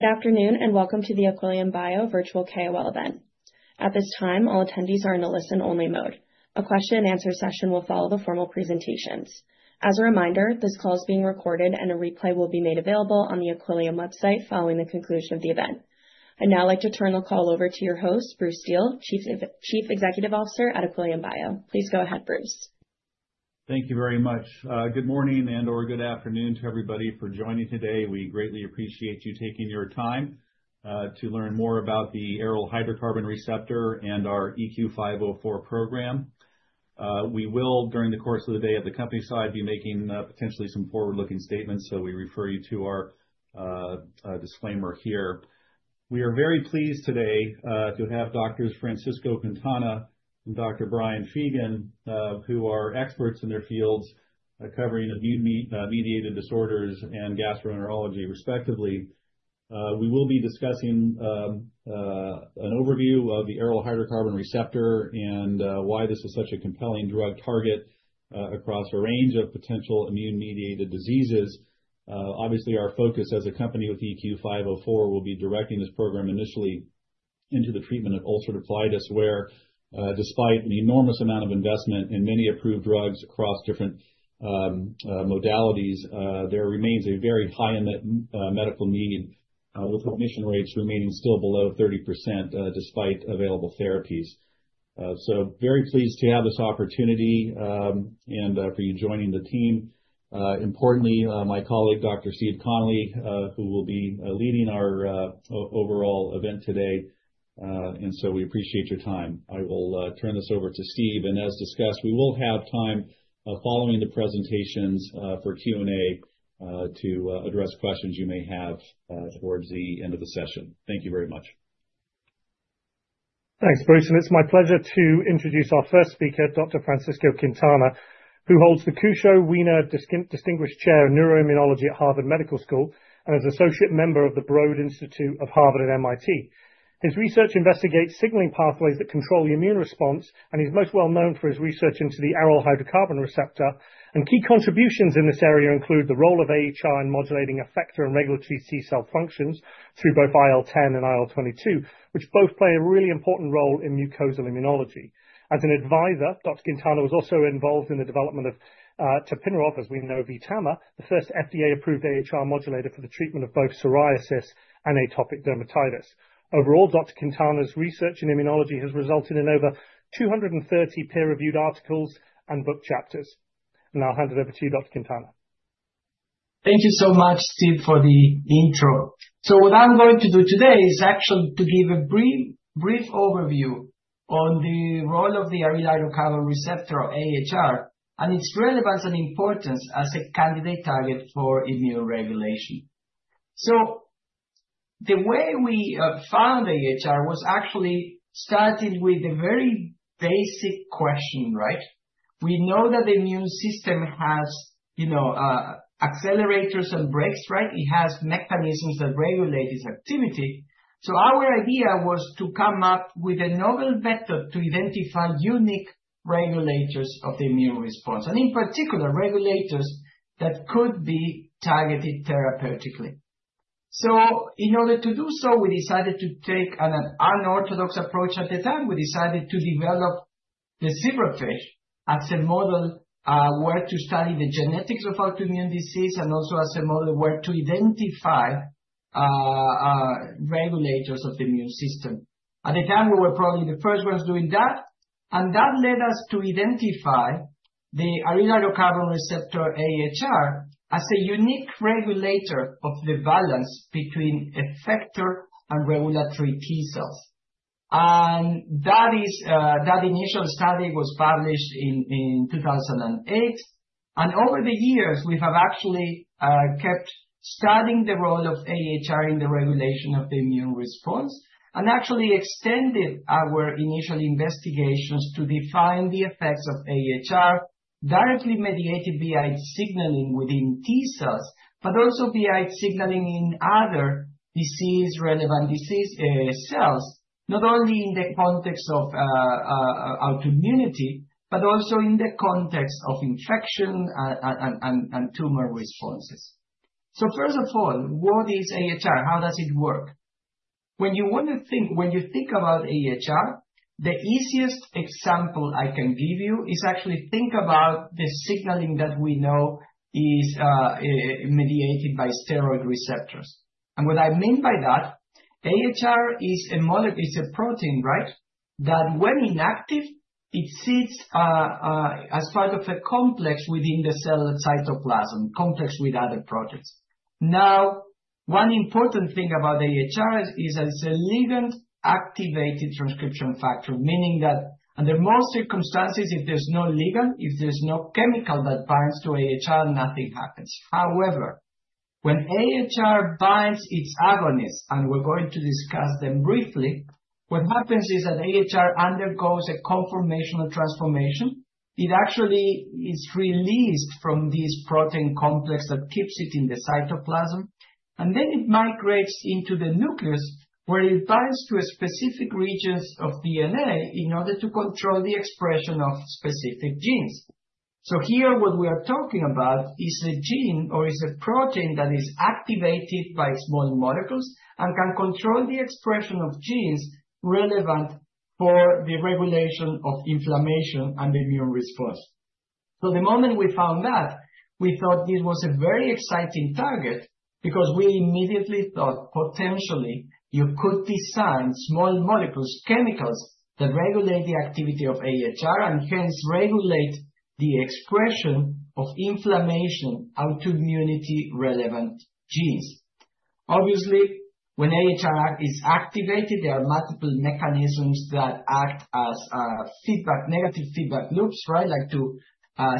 Good afternoon and welcome to the Equillium virtual KOL event. At this time, all attendees are in a listen-only mode. A question-and-answer session will follow the formal presentations. As a reminder, this call is being recorded and a replay will be made available on the Equillium website following the conclusion of the event. I'd now like to turn the call over to your host, Bruce Steel, Chief Executive Officer at Equillium. Please go ahead, Bruce. Thank you very much. Good morning and/or good afternoon to everybody for joining today. We greatly appreciate you taking your time to learn more about the Aryl Hydrocarbon Receptor and our EQ504 program. We will, during the course of the day at the company side, be making potentially some forward-looking statements, so we refer you to our disclaimer here. We are very pleased today to have doctors Francisco Quintana and Dr. Brian Feagan, who are experts in their fields covering immune-mediated disorders and gastroenterology, respectively. We will be discussing an overview of the Aryl Hydrocarbon Receptor and why this is such a compelling drug target across a range of potential immune-mediated diseases. Obviously, our focus as a company with EQ504 will be directing this program initially into the treatment of ulcerative colitis, where, despite an enormous amount of investment in many approved drugs across different modalities, there remains a very high medical need, with remission rates remaining still below 30% despite available therapies, so very pleased to have this opportunity and for you joining the team. Importantly, my colleague, Dr. Steve Connelly, who will be leading our overall event today, and so we appreciate your time. I will turn this over to Steve, and as discussed, we will have time following the presentations for Q&A to address questions you may have towards the end of the session. Thank you very much. Thanks, Bruce, and it's my pleasure to introduce our first speaker, Dr. Francisco Quintana, who holds the Kuchroo Wiener Distinguished Chair in Neuroimmunology at Harvard Medical School and is an associate member of the Broad Institute of MIT and Harvard. His research investigates signaling pathways that control the immune response, and he's most well known for his research into the Aryl Hydrocarbon Receptor. Key contributions in this area include the role of AHR in modulating effector and regulatory T cell functions through both IL-10 and IL-22, which both play a really important role in mucosal immunology. As an advisor, Dr. Quintana was also involved in the development of Tapinarof, as we know, VTAMA, the first FDA-approved AHR modulator for the treatment of both psoriasis and atopic dermatitis. Overall, Dr. Quintana's research in immunology has resulted in over 230 peer-reviewed articles and book chapters. I'll hand it over to you, Dr. Quintana. Thank you so much, Steve, for the intro. So, what I'm going to do today is actually to give a brief overview on the role of the Aryl Hydrocarbon Receptor, or AHR, and its relevance and importance as a candidate target for immune regulation. So, the way we found AHR was actually starting with the very basic question, right? We know that the immune system has, you know, accelerators and brakes, right? It has mechanisms that regulate its activity. So, our idea was to come up with a novel method to identify unique regulators of the immune response, and in particular, regulators that could be targeted therapeutically. So, in order to do so, we decided to take an unorthodox approach at the time. We decided to develop the zebrafish as a model where to study the genetics of autoimmune disease and also as a model where to identify regulators of the immune system. At the time, we were probably the first ones doing that, and that led us to identify the Aryl Hydrocarbon Receptor, AHR, as a unique regulator of the balance between effector and regulatory T cells. And that initial study was published in 2008. And over the years, we have actually kept studying the role of AHR in the regulation of the immune response and actually extended our initial investigations to define the effects of AHR directly mediated via its signaling within T cells, but also via its signaling in other disease-relevant cells, not only in the context of autoimmunity, but also in the context of infection and tumor responses. So, first of all, what is AHR? How does it work? When you want to think, when you think about AHR, the easiest example I can give you is actually to think about the signaling that we know is mediated by steroid receptors. And what I mean by that, AHR is a protein, right, that when inactive, it sits as part of a complex within the cell cytoplasm, complex with other proteins. Now, one important thing about AHR is that it's a ligand-activated transcription factor, meaning that under most circumstances, if there's no ligand, if there's no chemical that binds to AHR, nothing happens. However, when AHR binds its agonists, and we're going to discuss them briefly, what happens is that AHR undergoes a conformational transformation. It actually is released from this protein complex that keeps it in the cytoplasm, and then it migrates into the nucleus where it binds to specific regions of DNA in order to control the expression of specific genes. So, here, what we are talking about is a gene or is a protein that is activated by small molecules and can control the expression of genes relevant for the regulation of inflammation and the immune response. So, the moment we found that, we thought this was a very exciting target because we immediately thought potentially you could design small molecules, chemicals that regulate the activity of AHR and hence regulate the expression of inflammation autoimmunity-relevant genes. Obviously, when AHR is activated, there are multiple mechanisms that act as negative feedback loops, right, like to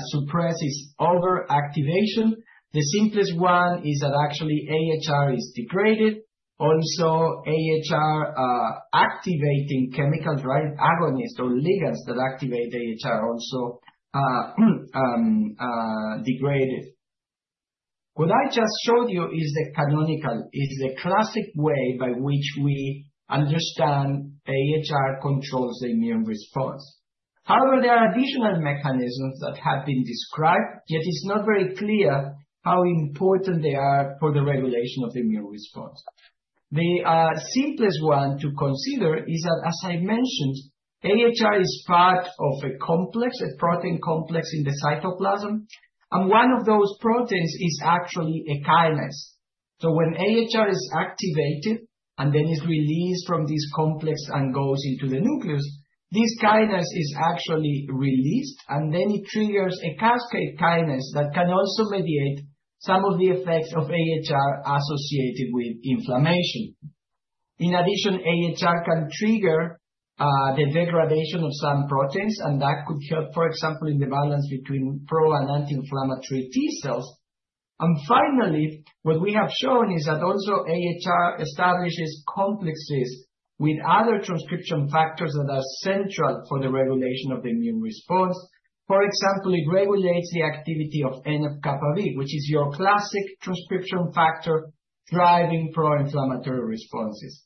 suppress its overactivation. The simplest one is that actually AHR is degraded. Also, AHR-activating chemicals, right, agonists or ligands that activate AHR also degrade. What I just showed you is the canonical, is the classic way by which we understand AHR controls the immune response. However, there are additional mechanisms that have been described, yet it's not very clear how important they are for the regulation of the immune response. The simplest one to consider is that, as I mentioned, AHR is part of a complex, a protein complex in the cytoplasm, and one of those proteins is actually a kinase. So, when AHR is activated and then is released from this complex and goes into the nucleus, this kinase is actually released, and then it triggers a cascade kinase that can also mediate some of the effects of AHR associated with inflammation. In addition, AHR can trigger the degradation of some proteins, and that could help, for example, in the balance between pro and anti-inflammatory T cells. And finally, what we have shown is that also AHR establishes complexes with other transcription factors that are central for the regulation of the immune response. For example, it regulates the activity of NF-kappa B, which is your classic transcription factor driving pro-inflammatory responses.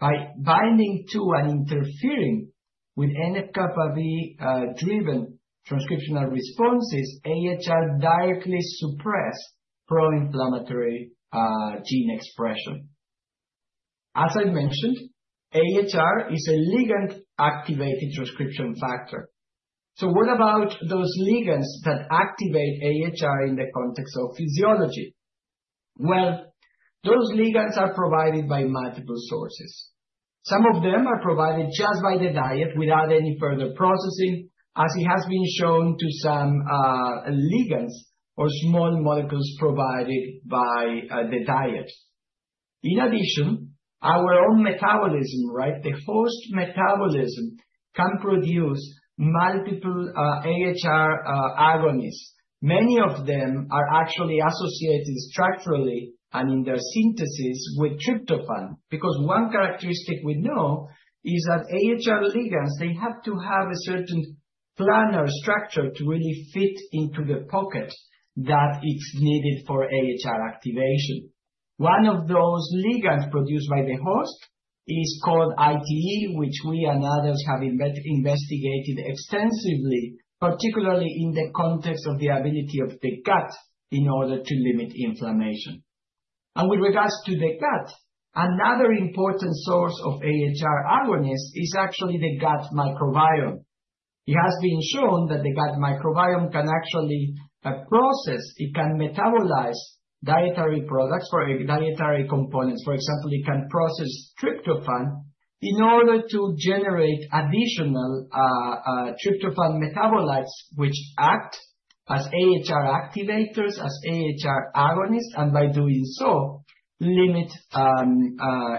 By binding to and interfering with NF-kappa B-driven transcriptional responses, AHR directly suppresses pro-inflammatory gene expression. As I mentioned, AHR is a ligand-activated transcription factor. So, what about those ligands that activate AHR in the context of physiology? Well, those ligands are provided by multiple sources. Some of them are provided just by the diet without any further processing, as it has been shown to some ligands or small molecules provided by the diet. In addition, our own metabolism, right, the host metabolism can produce multiple AHR agonists. Many of them are actually associated structurally and in their synthesis with tryptophan because one characteristic we know is that AHR ligands, they have to have a certain planar structure to really fit into the pocket that it's needed for AHR activation. One of those ligands produced by the host is called ITE, which we and others have investigated extensively, particularly in the context of the ability of the gut in order to limit inflammation, and with regards to the gut, another important source of AHR agonists is actually the gut microbiome. It has been shown that the gut microbiome can actually process and metabolize dietary components. For example, it can process tryptophan in order to generate additional tryptophan metabolites, which act as AHR activators, as AHR agonists, and by doing so, limit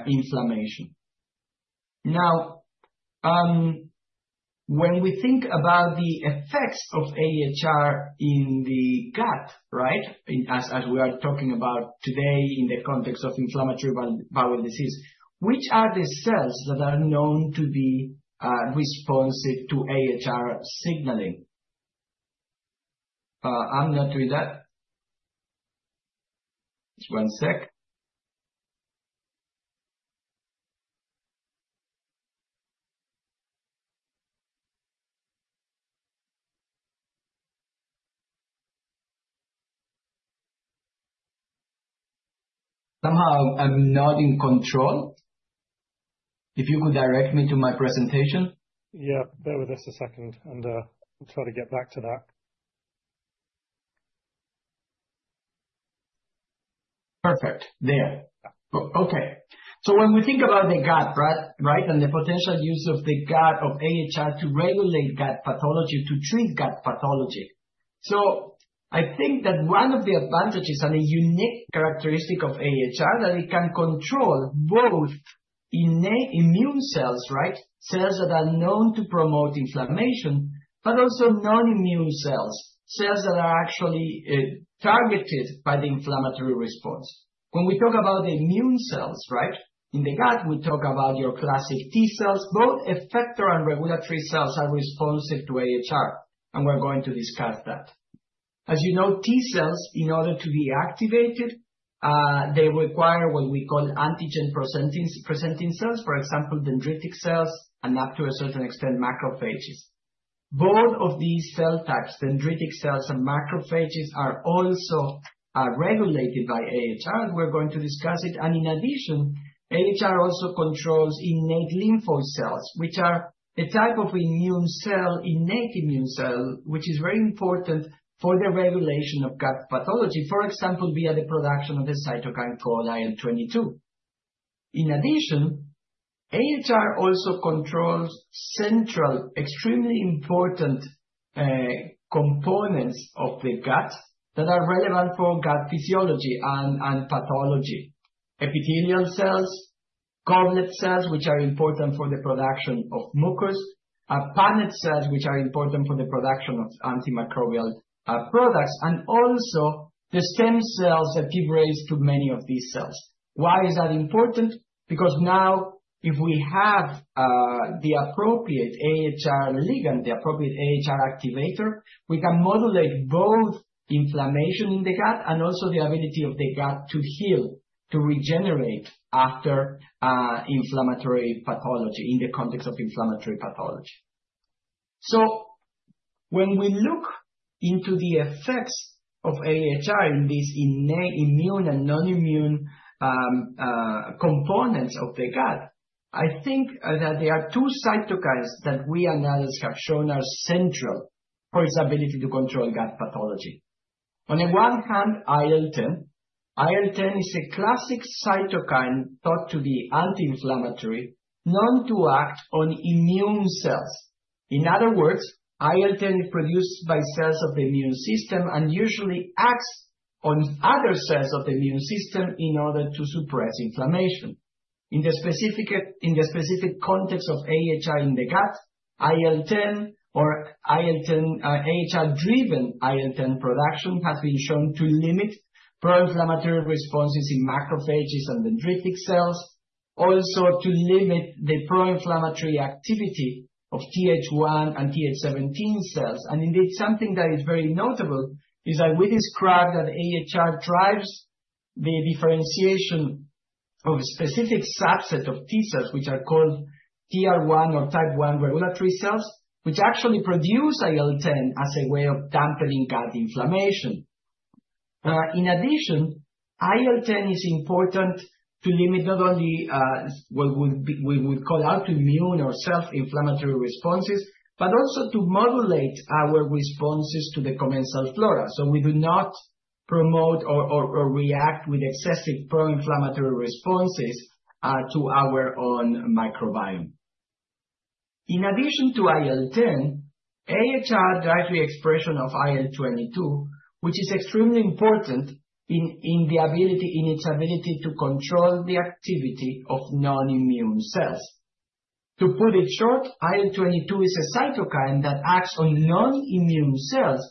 inflammation. Now, when we think about the effects of AHR in the gut, right, as we are talking about today in the context of inflammatory bowel disease, which are the cells that are known to be responsive to AHR signaling? I'm not doing that. Just one sec. Somehow I'm not in control. If you could direct me to my presentation. Yeah, bear with us a second, and I'll try to get back to that. So, when we think about the gut, right, and the potential use of the gut of AHR to regulate gut pathology, to treat gut pathology. So, I think that one of the advantages and a unique characteristic of AHR is that it can control both immune cells, right, cells that are known to promote inflammation, but also non-immune cells, cells that are actually targeted by the inflammatory response. When we talk about the immune cells, right, in the gut, we talk about your classic T cells. Both effector and regulatory cells are responsive to AHR, and we're going to discuss that. As you know, T cells, in order to be activated, they require what we call antigen-presenting cells, for example, dendritic cells and, up to a certain extent, macrophages. Both of these cell types, dendritic cells and macrophages, are also regulated by AHR, and we're going to discuss it, and in addition, AHR also controls innate lymphoid cells, which are a type of immune cell, innate immune cell, which is very important for the regulation of gut pathology, for example, via the production of the cytokine IL-22. In addition, AHR also controls central, extremely important components of the gut that are relevant for gut physiology and pathology: epithelial cells, goblet cells, which are important for the production of mucus, Paneth cells, which are important for the production of antimicrobial products, and also the stem cells that give rise to many of these cells. Why is that important? Because now, if we have the appropriate AHR ligand, the appropriate AHR activator, we can modulate both inflammation in the gut and also the ability of the gut to heal, to regenerate after inflammatory pathology in the context of inflammatory pathology. So, when we look into the effects of AHR in these innate immune and non-immune components of the gut, I think that there are two cytokines that we and others have shown are central for its ability to control gut pathology. On the one hand, IL-10. IL-10 is a classic cytokine thought to be anti-inflammatory, known to act on immune cells. In other words, IL-10 is produced by cells of the immune system and usually acts on other cells of the immune system in order to suppress inflammation. In the specific context of AHR in the gut, IL-10 or AHR-driven IL-10 production has been shown to limit pro-inflammatory responses in macrophages and dendritic cells, also to limit the pro-inflammatory activity of Th1 and Th17 cells. Indeed, something that is very notable is that we described that AHR drives the differentiation of a specific subset of T cells, which are called TR1 or type 1 regulatory cells, which actually produce IL-10 as a way of dampening gut inflammation. In addition, IL-10 is important to limit not only what we would call autoimmune or self-inflammatory responses, but also to modulate our responses to the commensal flora. We do not promote or react with excessive pro-inflammatory responses to our own microbiome. In addition to IL-10, AHR drives the expression of IL-22, which is extremely important in its ability to control the activity of non-immune cells. To put it short, IL-22 is a cytokine that acts on non-immune cells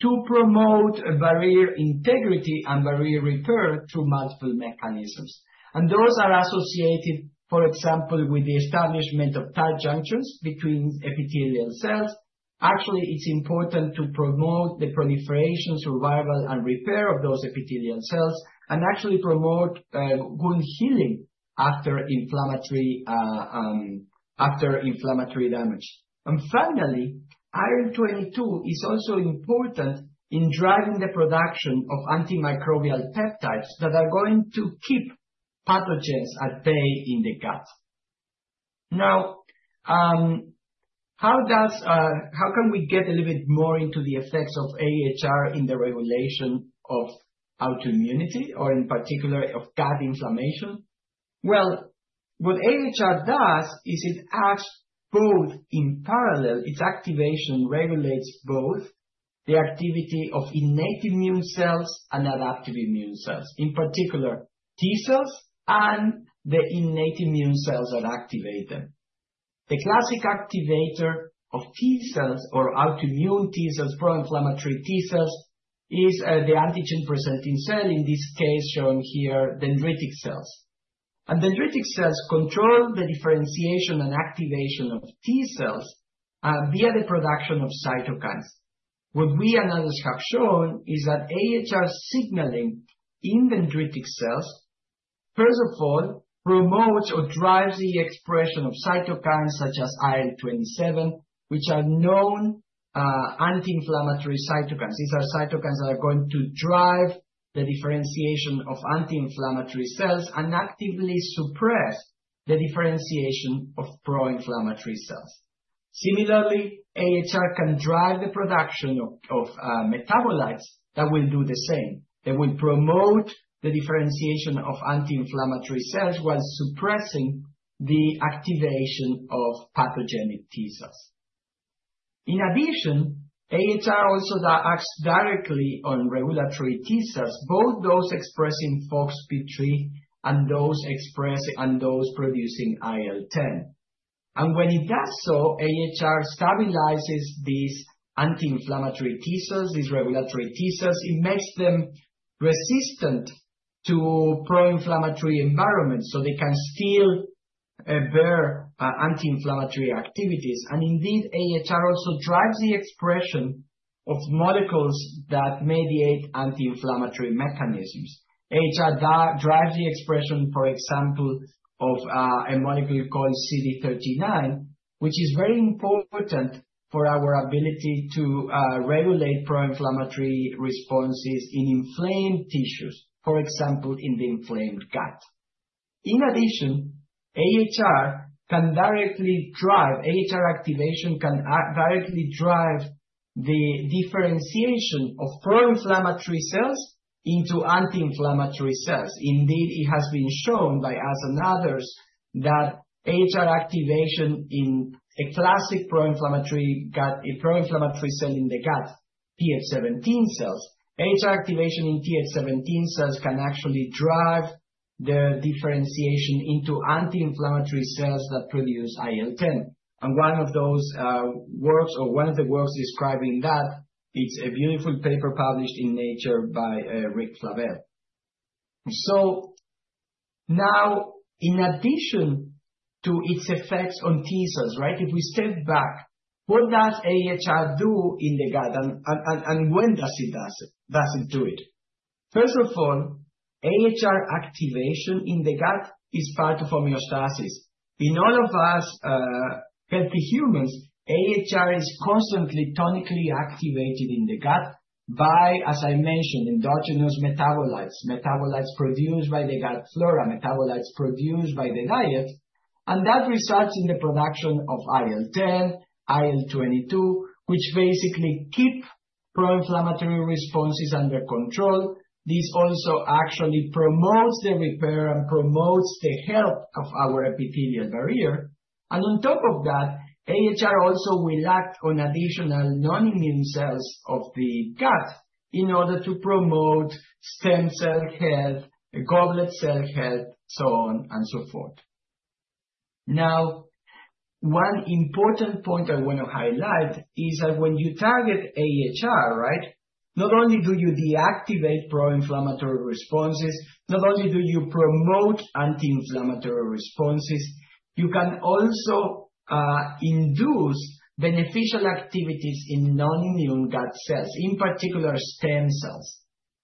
to promote barrier integrity and barrier repair through multiple mechanisms, and those are associated, for example, with the establishment of tight junctions between epithelial cells. Actually, it's important to promote the proliferation, survival, and repair of those epithelial cells and actually promote wound healing after inflammatory damage, and finally, IL-22 is also important in driving the production of antimicrobial peptides that are going to keep pathogens at bay in the gut. Now, how can we get a little bit more into the effects of AHR in the regulation of autoimmunity or, in particular, of gut inflammation? Well, what AHR does is it acts both in parallel. Its activation regulates both the activity of innate immune cells and adaptive immune cells, in particular, T cells and the innate immune cells that activate them. The classic activator of T cells or autoimmune T cells, pro-inflammatory T cells, is the antigen-presenting cell, in this case shown here, dendritic cells. Dendritic cells control the differentiation and activation of T cells via the production of cytokines. What we and others have shown is that AHR signaling in dendritic cells, first of all, promotes or drives the expression of cytokines such as IL-27, which are known anti-inflammatory cytokines. These are cytokines that are going to drive the differentiation of anti-inflammatory cells and actively suppress the differentiation of pro-inflammatory cells. Similarly, AHR can drive the production of metabolites that will do the same. They will promote the differentiation of anti-inflammatory cells while suppressing the activation of pathogenic T cells. In addition, AHR also acts directly on regulatory T cells, both those expressing FOXP3 and those producing IL-10. When it does so, AHR stabilizes these anti-inflammatory T cells, these regulatory T cells. It makes them resistant to pro-inflammatory environments so they can still bear anti-inflammatory activities. Indeed, AHR also drives the expression of molecules that mediate anti-inflammatory mechanisms. AHR drives the expression, for example, of a molecule called CD39, which is very important for our ability to regulate pro-inflammatory responses in inflamed tissues, for example, in the inflamed gut. In addition, AHR activation can directly drive the differentiation of pro-inflammatory cells into anti-inflammatory cells. Indeed, it has been shown by us and others that AHR activation in a classic pro-inflammatory cell in the gut, Th17 cells, can actually drive the differentiation into anti-inflammatory cells that produce IL-10. And one of those works, or one of the works describing that, it's a beautiful paper published in Nature by Rick Flavell. So, now, in addition to its effects on T cells, right, if we step back, what does AHR do in the gut and when does it do it? First of all, AHR activation in the gut is part of homeostasis. In all of us healthy humans, AHR is constantly tonically activated in the gut by, as I mentioned, endogenous metabolites, metabolites produced by the gut flora, metabolites produced by the diet, and that results in the production of IL-10, IL-22, which basically keep pro-inflammatory responses under control. This also actually promotes the repair and promotes the health of our epithelial barrier. On top of that, AHR also will act on additional non-immune cells of the gut in order to promote stem cell health, goblet cell health, so on and so forth. Now, one important point I want to highlight is that when you target AHR, right, not only do you deactivate pro-inflammatory responses, not only do you promote anti-inflammatory responses, you can also induce beneficial activities in non-immune gut cells, in particular, stem cells.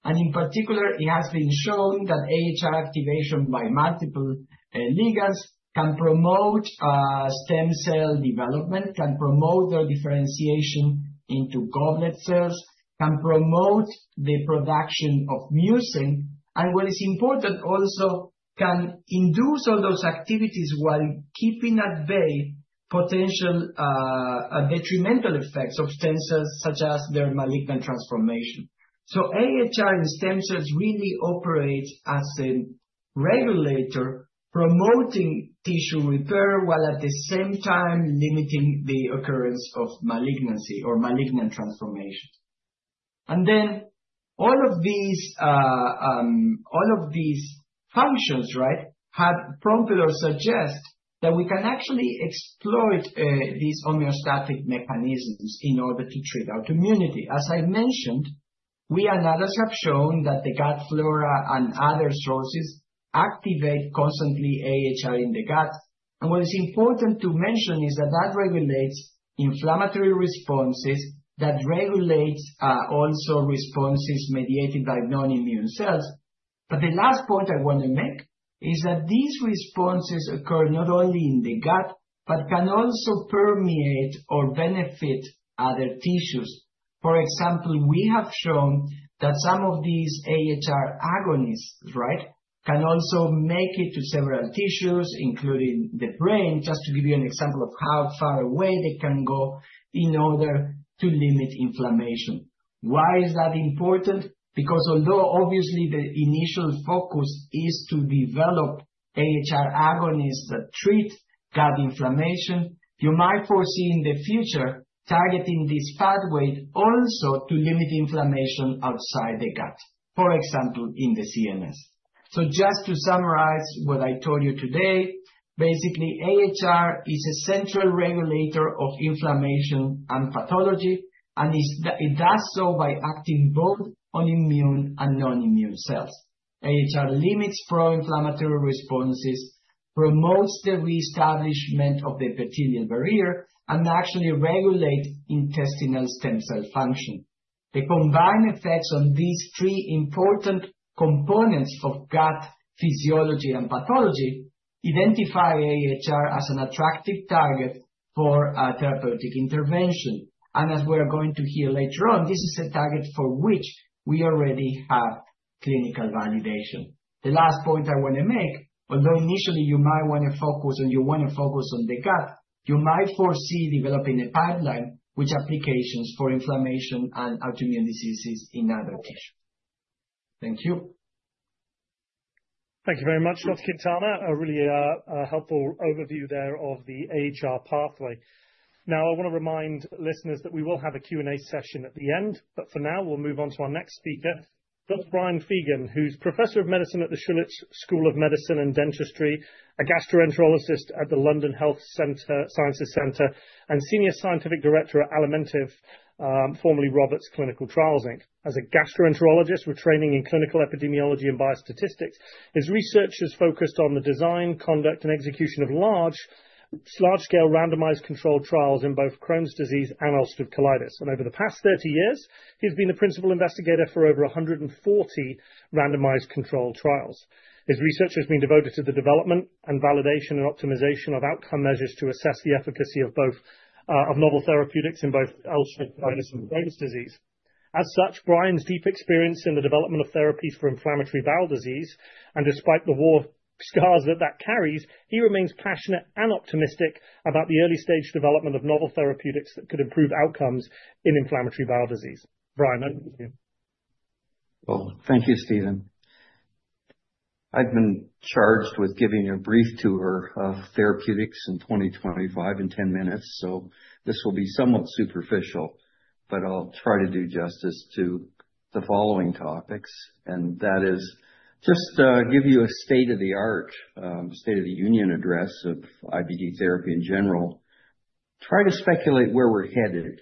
In particular, it has been shown that AHR activation by multiple ligands can promote stem cell development, can promote their differentiation into goblet cells, can promote the production of mucin, and what is important also can induce all those activities while keeping at bay potential detrimental effects of stem cells such as their malignant transformation. AHR in stem cells really operates as a regulator promoting tissue repair while at the same time limiting the occurrence of malignancy or malignant transformation. All of these, all of these functions, right, have prompted or suggest that we can actually exploit these homeostatic mechanisms in order to treat autoimmunity. As I mentioned, we and others have shown that the gut flora and other sources activate constantly AHR in the gut. What is important to mention is that that regulates inflammatory responses, that regulates also responses mediated by non-immune cells. The last point I want to make is that these responses occur not only in the gut, but can also permeate or benefit other tissues. For example, we have shown that some of these AHR agonists, right, can also make it to several tissues, including the brain, just to give you an example of how far away they can go in order to limit inflammation. Why is that important? Because although obviously the initial focus is to develop AHR agonists that treat gut inflammation, you might foresee in the future targeting this pathway also to limit inflammation outside the gut, for example, in the CNS. So, just to summarize what I told you today, basically, AHR is a central regulator of inflammation and pathology, and it does so by acting both on immune and non-immune cells. AHR limits pro-inflammatory responses, promotes the reestablishment of the epithelial barrier, and actually regulates intestinal stem cell function. The combined effects on these three important components of gut physiology and pathology identify AHR as an attractive target for therapeutic intervention, and as we are going to hear later on, this is a target for which we already have clinical validation. The last point I want to make, although initially you might want to focus on the gut, you might foresee developing a pipeline with applications for inflammation and autoimmune diseases in other tissues. Thank you. Thank you very much, Dr. Quintana. A really helpful overview there of the AHR pathway. Now, I want to remind listeners that we will have a Q&A session at the end, but for now, we'll move on to our next speaker, Dr. Brian Feagan, who's Professor of Medicine at the Schulich School of Medicine and Dentistry, a gastroenterologist at the London Health Sciences Centre, and Senior Scientific Director at Alimentiv, formerly Robarts Clinical Trials Inc. As a gastroenterologist with training in clinical epidemiology and biostatistics, his research has focused on the design, conduct, and execution of large-scale randomized controlled trials in both Crohn's disease and ulcerative colitis. And over the past 30 years, he has been the principal investigator for over 140 randomized controlled trials. His research has been devoted to the development and validation and optimization of outcome measures to assess the efficacy of novel therapeutics in both ulcerative colitis and Crohn's disease. As such, Brian's deep experience in the development of therapies for inflammatory bowel disease, and despite the war scars that that carries, he remains passionate and optimistic about the early stage development of novel therapeutics that could improve outcomes in inflammatory bowel disease. Brian, over to you. Well, thank you, Stephen. I've been charged with giving a brief tour of therapeutics in 2025 in 10 minutes, so this will be somewhat superficial, but I'll try to do justice to the following topics, and that is just to give you a state-of-the-art, state-of-the-union address of IBD therapy in general, try to speculate where we're headed,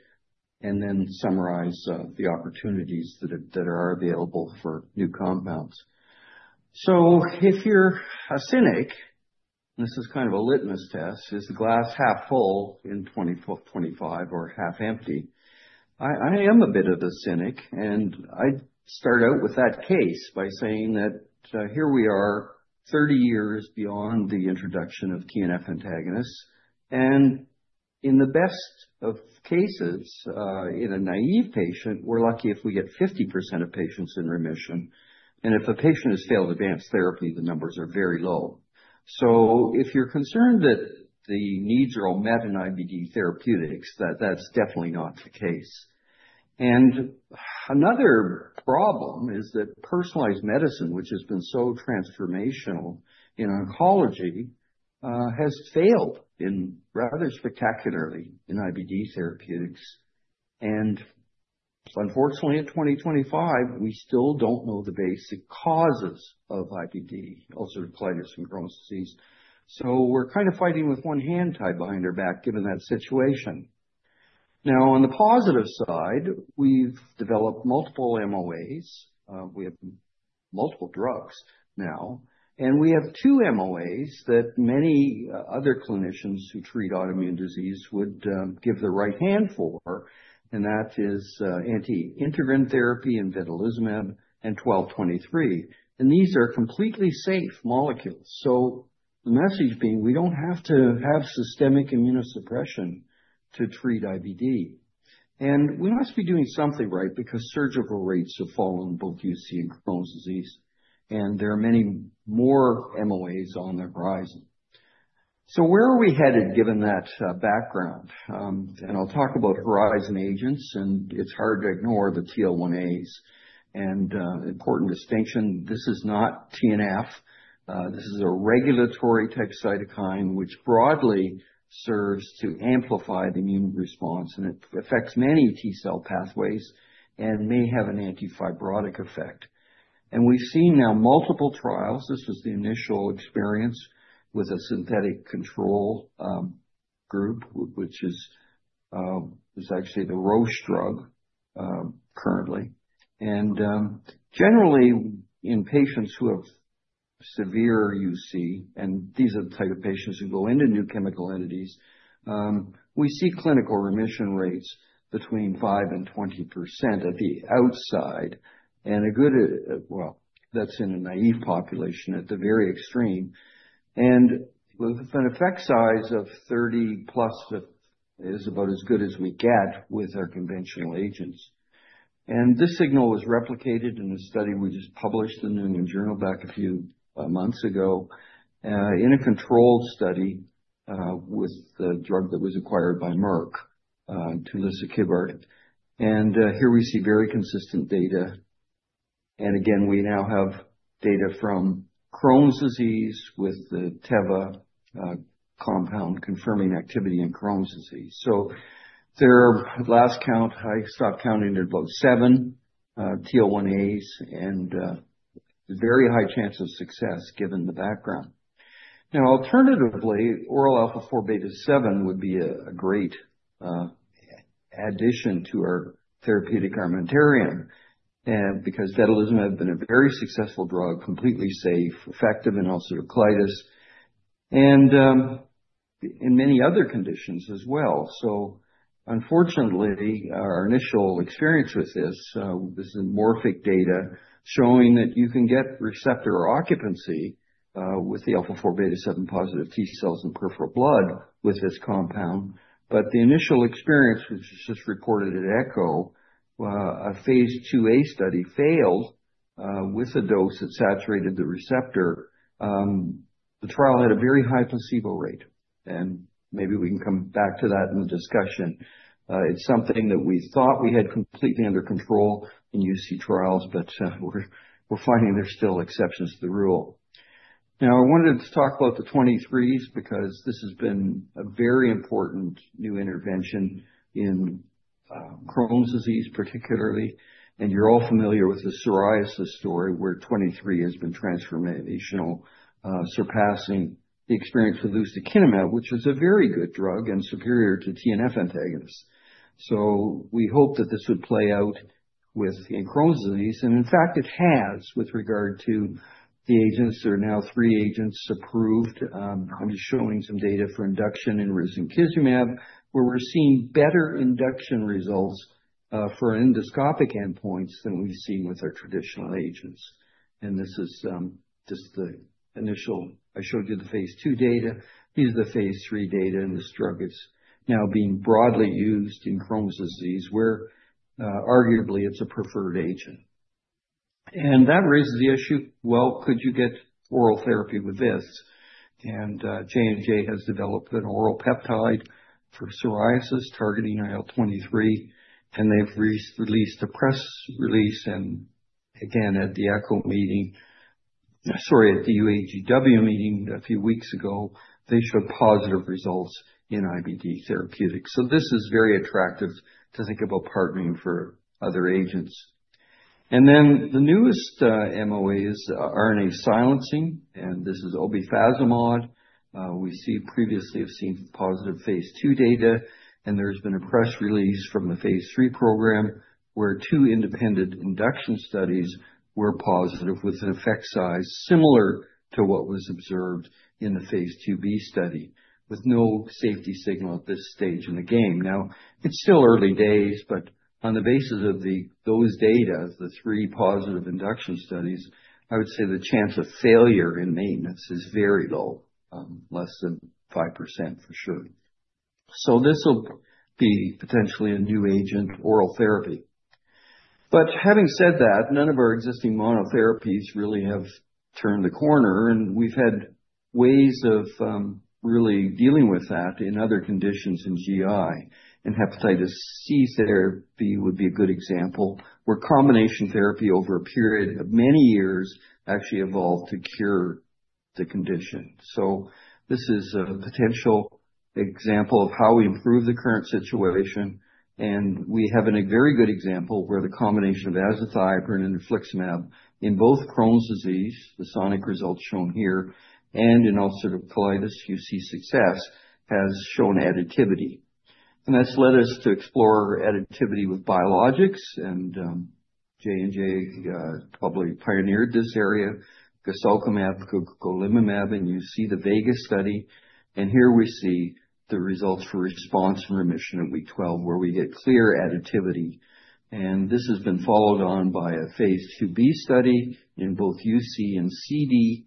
and then summarize the opportunities that are available for new compounds. So, if you're a cynic, this is kind of a litmus test. Is the glass half full in 2025 or half empty? I am a bit of a cynic, and I start out with that case by saying that here we are, 30 years beyond the introduction of TNF antagonists, and in the best of cases, in a naive patient, we're lucky if we get 50% of patients in remission, and if a patient has failed advanced therapy, the numbers are very low, so if you're concerned that the needs are all met in IBD therapeutics, that's definitely not the case, and another problem is that personalized medicine, which has been so transformational in oncology, has failed rather spectacularly in IBD therapeutics. Unfortunately, in 2025, we still don't know the basic causes of IBD, ulcerative colitis and Crohn's disease, so we're kind of fighting with one hand tied behind our back given that situation. Now, on the positive side, we've developed multiple MOAs. We have multiple drugs now, and we have two MOAs that many other clinicians who treat autoimmune disease would give their right arm for, and that is anti-integrin therapy and vedolizumab and 12/23, and these are completely safe molecules, so the message being, we don't have to have systemic immunosuppression to treat IBD, and we must be doing something right because surgical rates have fallen in both UC and Crohn's disease, and there are many more MOAs on the horizon, so where are we headed given that background, and I'll talk about horizon agents, and it's hard to ignore the TL1As, and important distinction, this is not TNF. This is a regulatory cytokine, which broadly serves to amplify the immune response, and it affects many T cell pathways and may have an antifibrotic effect, and we've seen now multiple trials. This was the initial experience with a synthetic control group, which is actually the Roche drug currently. Generally, in patients who have severe UC, and these are the type of patients who go into new chemical entities, we see clinical remission rates between 5%-20% at the outside and a good, well, that's in a naive population at the very extreme. With an effect size of 30 plus, it is about as good as we get with our conventional agents. This signal was replicated in a study we just published in the New England Journal back a few months ago in a controlled study with the drug that was acquired by Merck, tulisokibart. Here we see very consistent data. Again, we now have data from Crohn's disease with the Teva compound confirming activity in Crohn's disease. So, there are, last count, I stopped counting at about seven TL1As and very high chance of success given the background. Now, alternatively, oral alpha-4 beta-7 would be a great addition to our therapeutic armamentarium because vedolizumab has been a very successful drug, completely safe, effective in ulcerative colitis and in many other conditions as well. So, unfortunately, our initial experience with this. This is Morphic data showing that you can get receptor occupancy with the alpha-4 beta-7 positive T cells in peripheral blood with this compound. But the initial experience, which was just reported at ECCO, a phase 2A study failed with a dose that saturated the receptor. The trial had a very high placebo rate, and maybe we can come back to that in the discussion. It's something that we thought we had completely under control in UC trials, but we're finding there's still exceptions to the rule. Now, I wanted to talk about the 23s because this has been a very important new intervention in Crohn's disease, particularly, and you're all familiar with the psoriasis story where 23 has been transformational, surpassing the experience with ustekinumab, which is a very good drug and superior to TNF antagonists, so we hope that this would play out with Crohn's disease, and in fact, it has with regard to the agents. There are now three agents approved, I'm just showing some data for induction in risankizumab, where we're seeing better induction results for endoscopic endpoints than we've seen with our traditional agents, and this is just the initial, I showed you the phase two data. These are the phase three data, and this drug is now being broadly used in Crohn's disease, where arguably it's a preferred agent. That raises the issue. Well, could you get oral therapy with this? J&J has developed an oral peptide for psoriasis targeting IL-23, and they've released a press release. Again, at the ECCO meeting, sorry, at the UEGW meeting a few weeks ago, they showed positive results in IBD therapeutics. This is very attractive to think about partnering for other agents. The newest MOA is RNA silencing, and this is obefazimod. We previously have seen positive phase 2 data, and there has been a press release from the phase three program where two independent induction studies were positive with an effect size similar to what was observed in the phase 2b study, with no safety signal at this stage in the game. Now, it's still early days, but on the basis of those data, the three positive induction studies, I would say the chance of failure in maintenance is very low, less than 5% for sure. So, this will be potentially a new agent oral therapy. But having said that, none of our existing monotherapies really have turned the corner, and we've had ways of really dealing with that in other conditions in GI, and hepatitis C therapy would be a good example, where combination therapy over a period of many years actually evolved to cure the condition. So, this is a potential example of how we improve the current situation, and we have a very good example where the combination of azathioprine and infliximab in both Crohn's disease, the SONIC results shown here, and in ulcerative colitis, SUCCESS has shown additivity. That's led us to explore additivity with biologics, and J&J probably pioneered this area, guselkumab, golimumab, and you see the VEGA study. Here we see the results for response and remission at week 12, where we get clear additivity. This has been followed on by a phase 2b study in both UC and CD,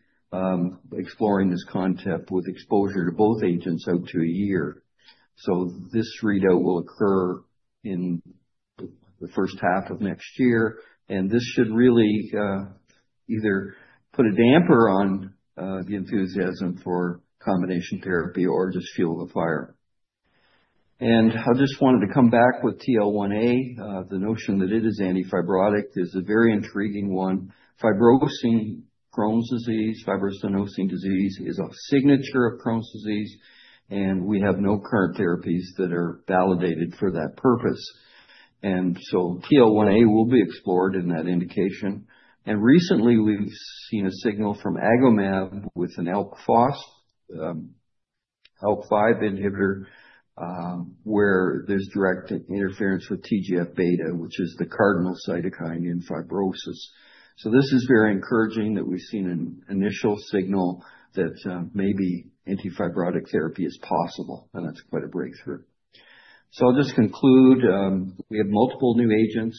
exploring this concept with exposure to both agents out to a year. This readout will occur in the first half of next year, and this should really either put a damper on the enthusiasm for combination therapy or just fuel the fire. I just wanted to come back with TL1A. The notion that it is antifibrotic is a very intriguing one. Fibrosing Crohn's disease, fibrous stenosing disease is a signature of Crohn's disease, and we have no current therapies that are validated for that purpose. TL1A will be explored in that indication. Recently, we've seen a signal from Agomab with an ALK-5 inhibitor where there's direct interference with TGF beta, which is the cardinal cytokine in fibrosis. This is very encouraging that we've seen an initial signal that maybe antifibrotic therapy is possible, and that's quite a breakthrough. I'll just conclude. We have multiple new agents.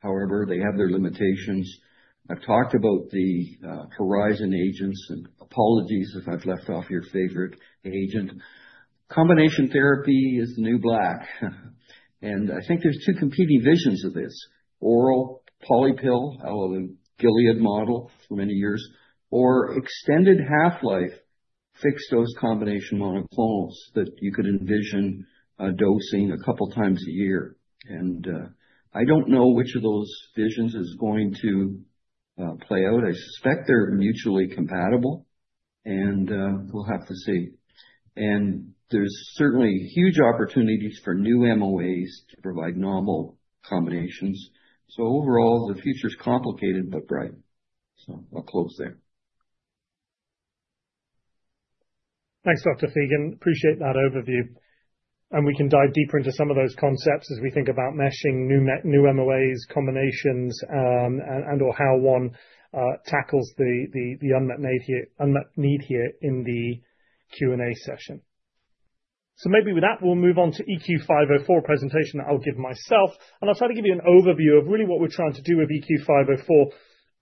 However, they have their limitations. I've talked about the horizon agents and apologies if I've left off your favorite agent. Combination therapy is the new black. I think there's two competing visions of this: oral polypill, however, Gilead model for many years, or extended half-life fixed dose combination monoclonals that you could envision dosing a couple of times a year. I don't know which of those visions is going to play out. I suspect they're mutually compatible, and we'll have to see. There's certainly huge opportunities for new MOAs to provide novel combinations. Overall, the future is complicated, but bright. I'll close there. Thanks, Dr. Feagan. Appreciate that overview. We can dive deeper into some of those concepts as we think about meshing new MOAs, combinations, and/or how one tackles the unmet need here in the Q&A session. Maybe with that, we'll move on to EQ504 presentation that I'll give myself. I'll try to give you an overview of really what we're trying to do with EQ504 on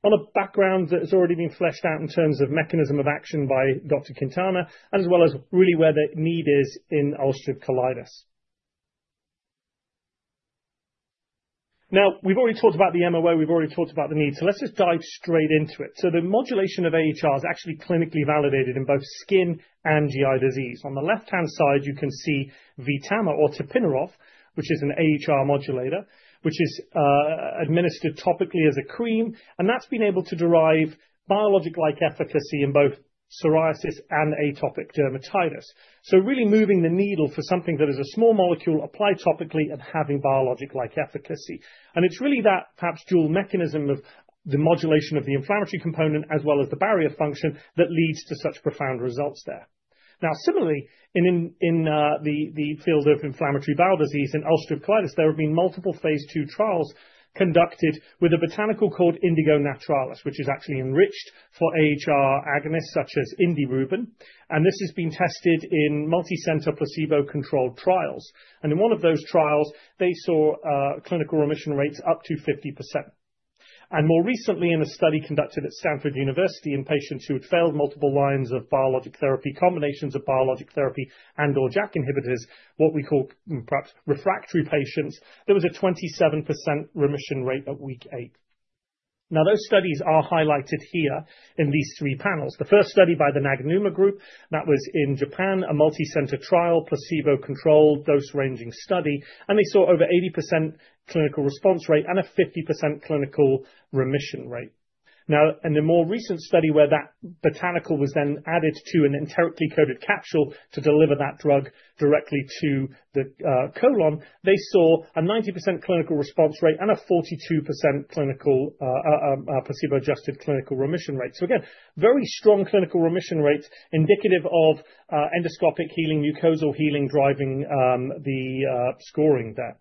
a background that has already been fleshed out in terms of mechanism of action by Dr. Quintana, as well as really where the need is in ulcerative colitis. Now, we've already talked about the MOA. We've already talked about the need. Let's just dive straight into it. The modulation of AHR is actually clinically validated in both skin and GI disease. On the left-hand side, you can see VTAMA or tapinarof, which is an AHR modulator, which is administered topically as a cream, and that's been able to derive biologic-like efficacy in both psoriasis and atopic dermatitis. Really moving the needle for something that is a small molecule applied topically and having biologic-like efficacy. It's really that perhaps dual mechanism of the modulation of the inflammatory component as well as the barrier function that leads to such profound results there. Now, similarly, in the field of inflammatory bowel disease and ulcerative colitis, there have been multiple phase two trials conducted with a botanical called Indigo naturalis, which is actually enriched for AHR agonists such as indirubin. This has been tested in multicenter placebo-controlled trials. In one of those trials, they saw clinical remission rates up to 50%. More recently, in a study conducted at Stanford University in patients who had failed multiple lines of biologic therapy, combinations of biologic therapy and/or JAK inhibitors, what we call perhaps refractory patients, there was a 27% remission rate at week eight. Now, those studies are highlighted here in these three panels. The first study by the Naganuma Group, that was in Japan, a multicenter trial, placebo-controlled dose-ranging study, and they saw over 80% clinical response rate and a 50% clinical remission rate. Now, in the more recent study where that botanical was then added to an enterically coated capsule to deliver that drug directly to the colon, they saw a 90% clinical response rate and a 42% placebo-adjusted clinical remission rate. So, again, very strong clinical remission rates indicative of endoscopic healing, mucosal healing driving the scoring there.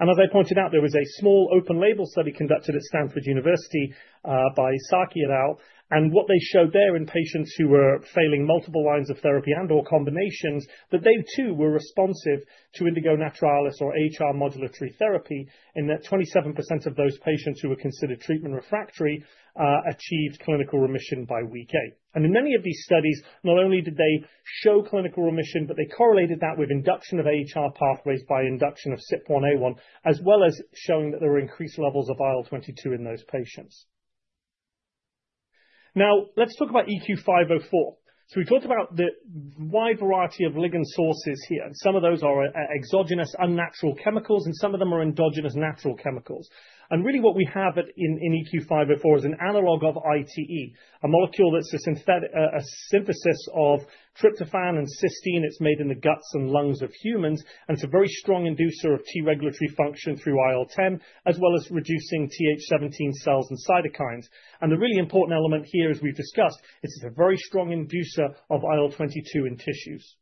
And as I pointed out, there was a small open label study conducted at Stanford University by Saki et al. And what they showed there in patients who were failing multiple lines of therapy and/or combinations, that they too were responsive to Indigo naturalis or AHR modulatory therapy, and that 27% of those patients who were considered treatment refractory achieved clinical remission by week eight. And in many of these studies, not only did they show clinical remission, but they correlated that with induction of AHR pathways by induction of CYP1A1, as well as showing that there were increased levels of IL-22 in those patients. Now, let's talk about EQ504. So, we talked about the wide variety of ligand sources here. Some of those are exogenous unnatural chemicals, and some of them are endogenous natural chemicals. And really what we have in EQ504 is an analog of ITE, a molecule that's a synthesis of tryptophan and cysteine. It's made in the guts and lungs of humans, and it's a very strong inducer of T regulatory function through IL-10, as well as reducing Th17 cells and cytokines. And the really important element here, as we've discussed, is it's a very strong inducer of IL-22 in tissues.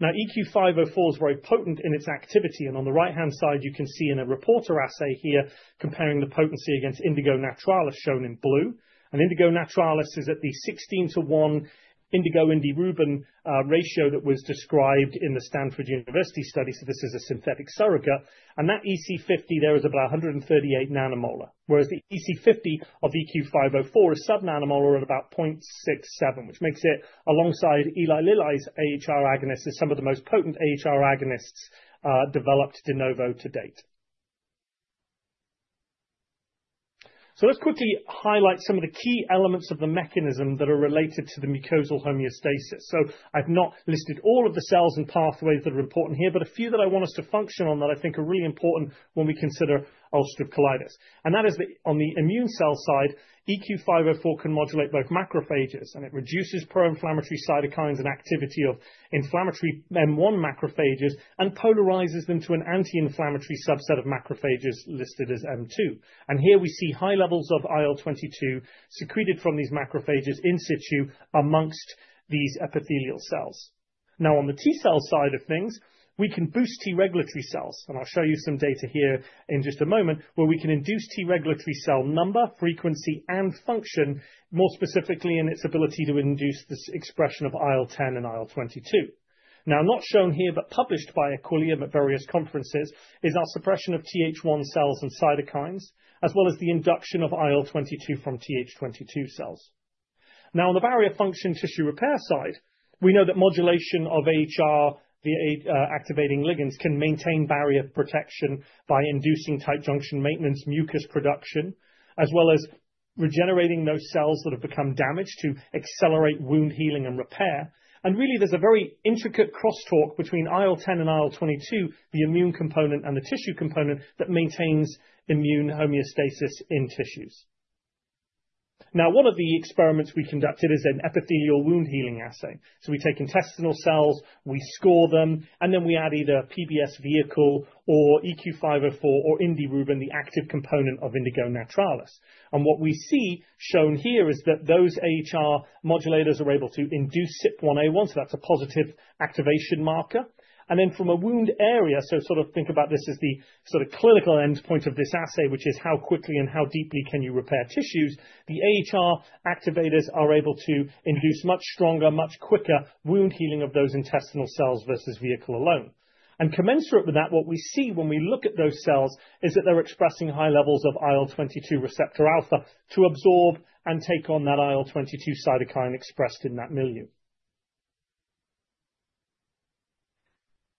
Now, EQ504 is very potent in its activity. And on the right-hand side, you can see in a reporter assay here comparing the potency against Indigo naturalis, shown in blue. And Indigo naturalis is at the 16-to-1 indigo-indirubin ratio that was described in the Stanford University study. So, this is a synthetic surrogate. And that EC50 there is about 138 nanomolar, whereas the EC50 of EQ504 is subnanomolar at about 0.67, which makes it, alongside Eli Lilly's AHR agonists, some of the most potent AHR agonists developed de novo to date. So, let's quickly highlight some of the key elements of the mechanism that are related to the mucosal homeostasis. So, I've not listed all of the cells and pathways that are important here, but a few that I want us to function on that I think are really important when we consider ulcerative colitis. And that is that on the immune cell side, EQ504 can modulate both macrophages, and it reduces pro-inflammatory cytokines and activity of inflammatory M1 macrophages and polarizes them to an anti-inflammatory subset of macrophages listed as M2. And here we see high levels of IL-22 secreted from these macrophages in situ amongst these epithelial cells. Now, on the T cell side of things, we can boost T regulatory cells. And I'll show you some data here in just a moment, where we can induce T regulatory cell number, frequency, and function, more specifically in its ability to induce this expression of IL-10 and IL-22. Now, not shown here, but published by Equillium at various conferences, is our suppression of TH1 cells and cytokines, as well as the induction of IL-22 from TH22 cells. Now, on the barrier function tissue repair side, we know that modulation of AHR via activating ligands can maintain barrier protection by inducing tight junction maintenance, mucus production, as well as regenerating those cells that have become damaged to accelerate wound healing and repair. And really, there's a very intricate crosstalk between IL-10 and IL-22, the immune component and the tissue component that maintains immune homeostasis in tissues. Now, one of the experiments we conducted is an epithelial wound healing assay. So, we take intestinal cells, we score them, and then we add either a PBS vehicle or EQ504 or indirubin, the active component of Indigo naturalis. And what we see shown here is that those AHR modulators are able to induce CYP1A1, so that's a positive activation marker. And then from a wound area, so sort of think about this as the sort of clinical endpoint of this assay, which is how quickly and how deeply can you repair tissues, the AHR activators are able to induce much stronger, much quicker wound healing of those intestinal cells versus vehicle alone. And commensurate with that, what we see when we look at those cells is that they're expressing high levels of IL-22 receptor alpha to absorb and take on that IL-22 cytokine expressed in that milieu.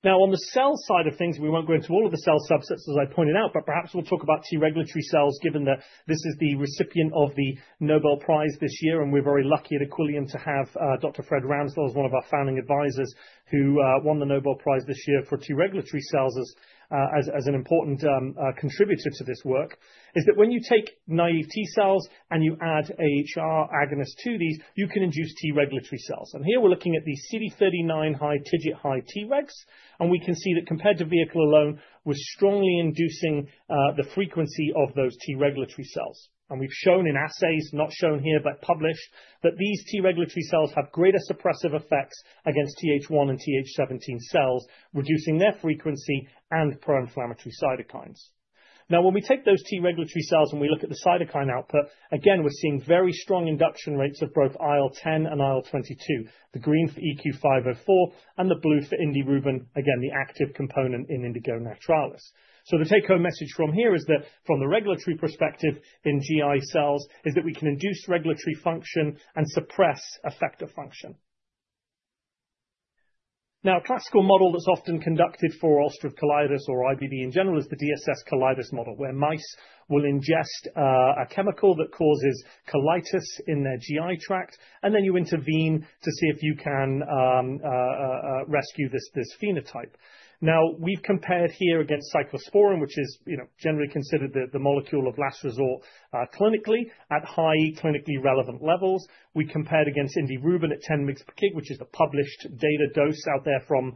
Now, on the cell side of things, we won't go into all of the cell subsets, as I pointed out, but perhaps we'll talk about T regulatory cells, given that this is the recipient of the Nobel Prize this year, and we're very lucky at Equillium to have Dr. Fred Ramsdell, who is one of our founding advisors, who won the Nobel Prize this year for T regulatory cells as an important contributor to this work. That is, when you take naive T cells and you add AHR agonists to these, you can induce T regulatory cells. And here we're looking at the CD39 high, TIGIT high T regs, and we can see that compared to vehicle alone, we're strongly inducing the frequency of those T regulatory cells. We've shown in assays, not shown here, but published, that these T regulatory cells have greater suppressive effects against Th1 and Th17 cells, reducing their frequency and pro-inflammatory cytokines. Now, when we take those T regulatory cells and we look at the cytokine output, again, we're seeing very strong induction rates of both IL-10 and IL-22, the green for EQ504 and the blue for indirubin, again, the active component in Indigo naturalis. The take-home message from here is that from the regulatory perspective in GI cells, we can induce regulatory function and suppress effector function. A classical model that's often conducted for ulcerative colitis or IBD in general is the DSS colitis model, where mice will ingest a chemical that causes colitis in their GI tract, and then you intervene to see if you can rescue this phenotype. Now, we've compared here against Cyclosporine, which is, you know, generally considered the molecule of last resort clinically at high clinically relevant levels. We compared against indirubin at 10 mg per kg, which is the published data dose out there from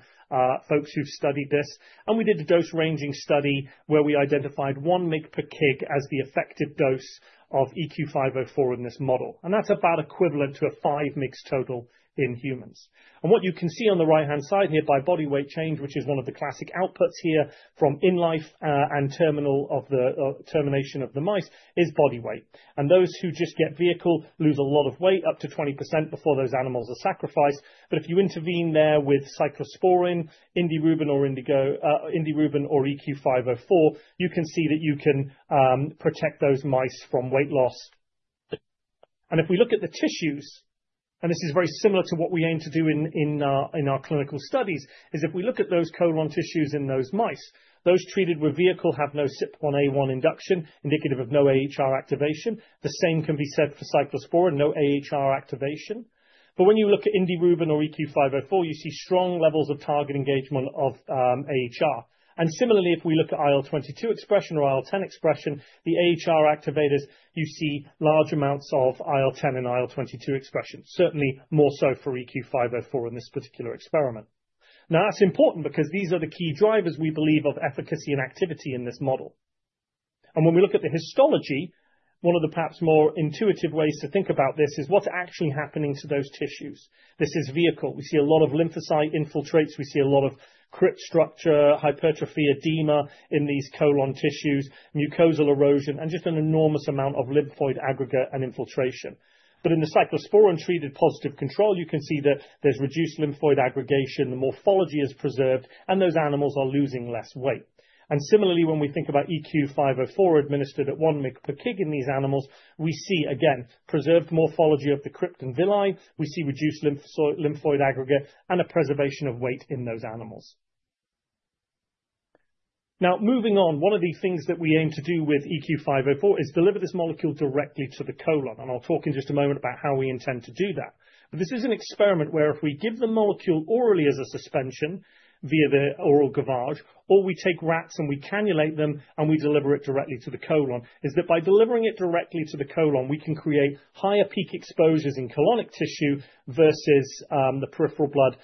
folks who've studied this. And we did a dose-ranging study where we identified one mg per kg as the effective dose of EQ504 in this model. And that's about equivalent to a five mg total in humans. And what you can see on the right-hand side, namely body weight change, which is one of the classic outputs here from in-life and terminal at the termination of the mice, is body weight. And those who just get vehicle lose a lot of weight, up to 20% before those animals are sacrificed. But if you intervene there with Cyclosporine, indirubin or EQ504, you can see that you can protect those mice from weight loss. And if we look at the tissues, and this is very similar to what we aim to do in our clinical studies, if we look at those colon tissues in those mice, those treated with vehicle have no CYP1A1 induction, indicative of no AHR activation. The same can be said for Cyclosporine, no AHR activation. But when you look at indirubin or EQ504, you see strong levels of target engagement of AHR. And similarly, if we look at IL-22 expression or IL-10 expression, the AHR activators, you see large amounts of IL-10 and IL-22 expression, certainly more so for EQ504 in this particular experiment. Now, that's important because these are the key drivers, we believe, of efficacy and activity in this model. When we look at the histology, one of the perhaps more intuitive ways to think about this is what's actually happening to those tissues. This is vehicle. We see a lot of lymphocyte infiltrates. We see a lot of crypt structure, hypertrophy, edema in these colon tissues, mucosal erosion, and just an enormous amount of lymphoid aggregate and infiltration. But in the cyclosporine treated positive control, you can see that there's reduced lymphoid aggregation, the morphology is preserved, and those animals are losing less weight. Similarly, when we think about EQ504 administered at one mg per kg in these animals, we see, again, preserved morphology of the crypt and villi. We see reduced lymphoid aggregate and a preservation of weight in those animals. Now, moving on, one of the things that we aim to do with EQ504 is deliver this molecule directly to the colon. I'll talk in just a moment about how we intend to do that. This is an experiment where if we give the molecule orally as a suspension via the oral gavage, or we take rats and we cannulate them and we deliver it directly to the colon, is that by delivering it directly to the colon, we can create higher peak exposures in colonic tissue versus the peripheral blood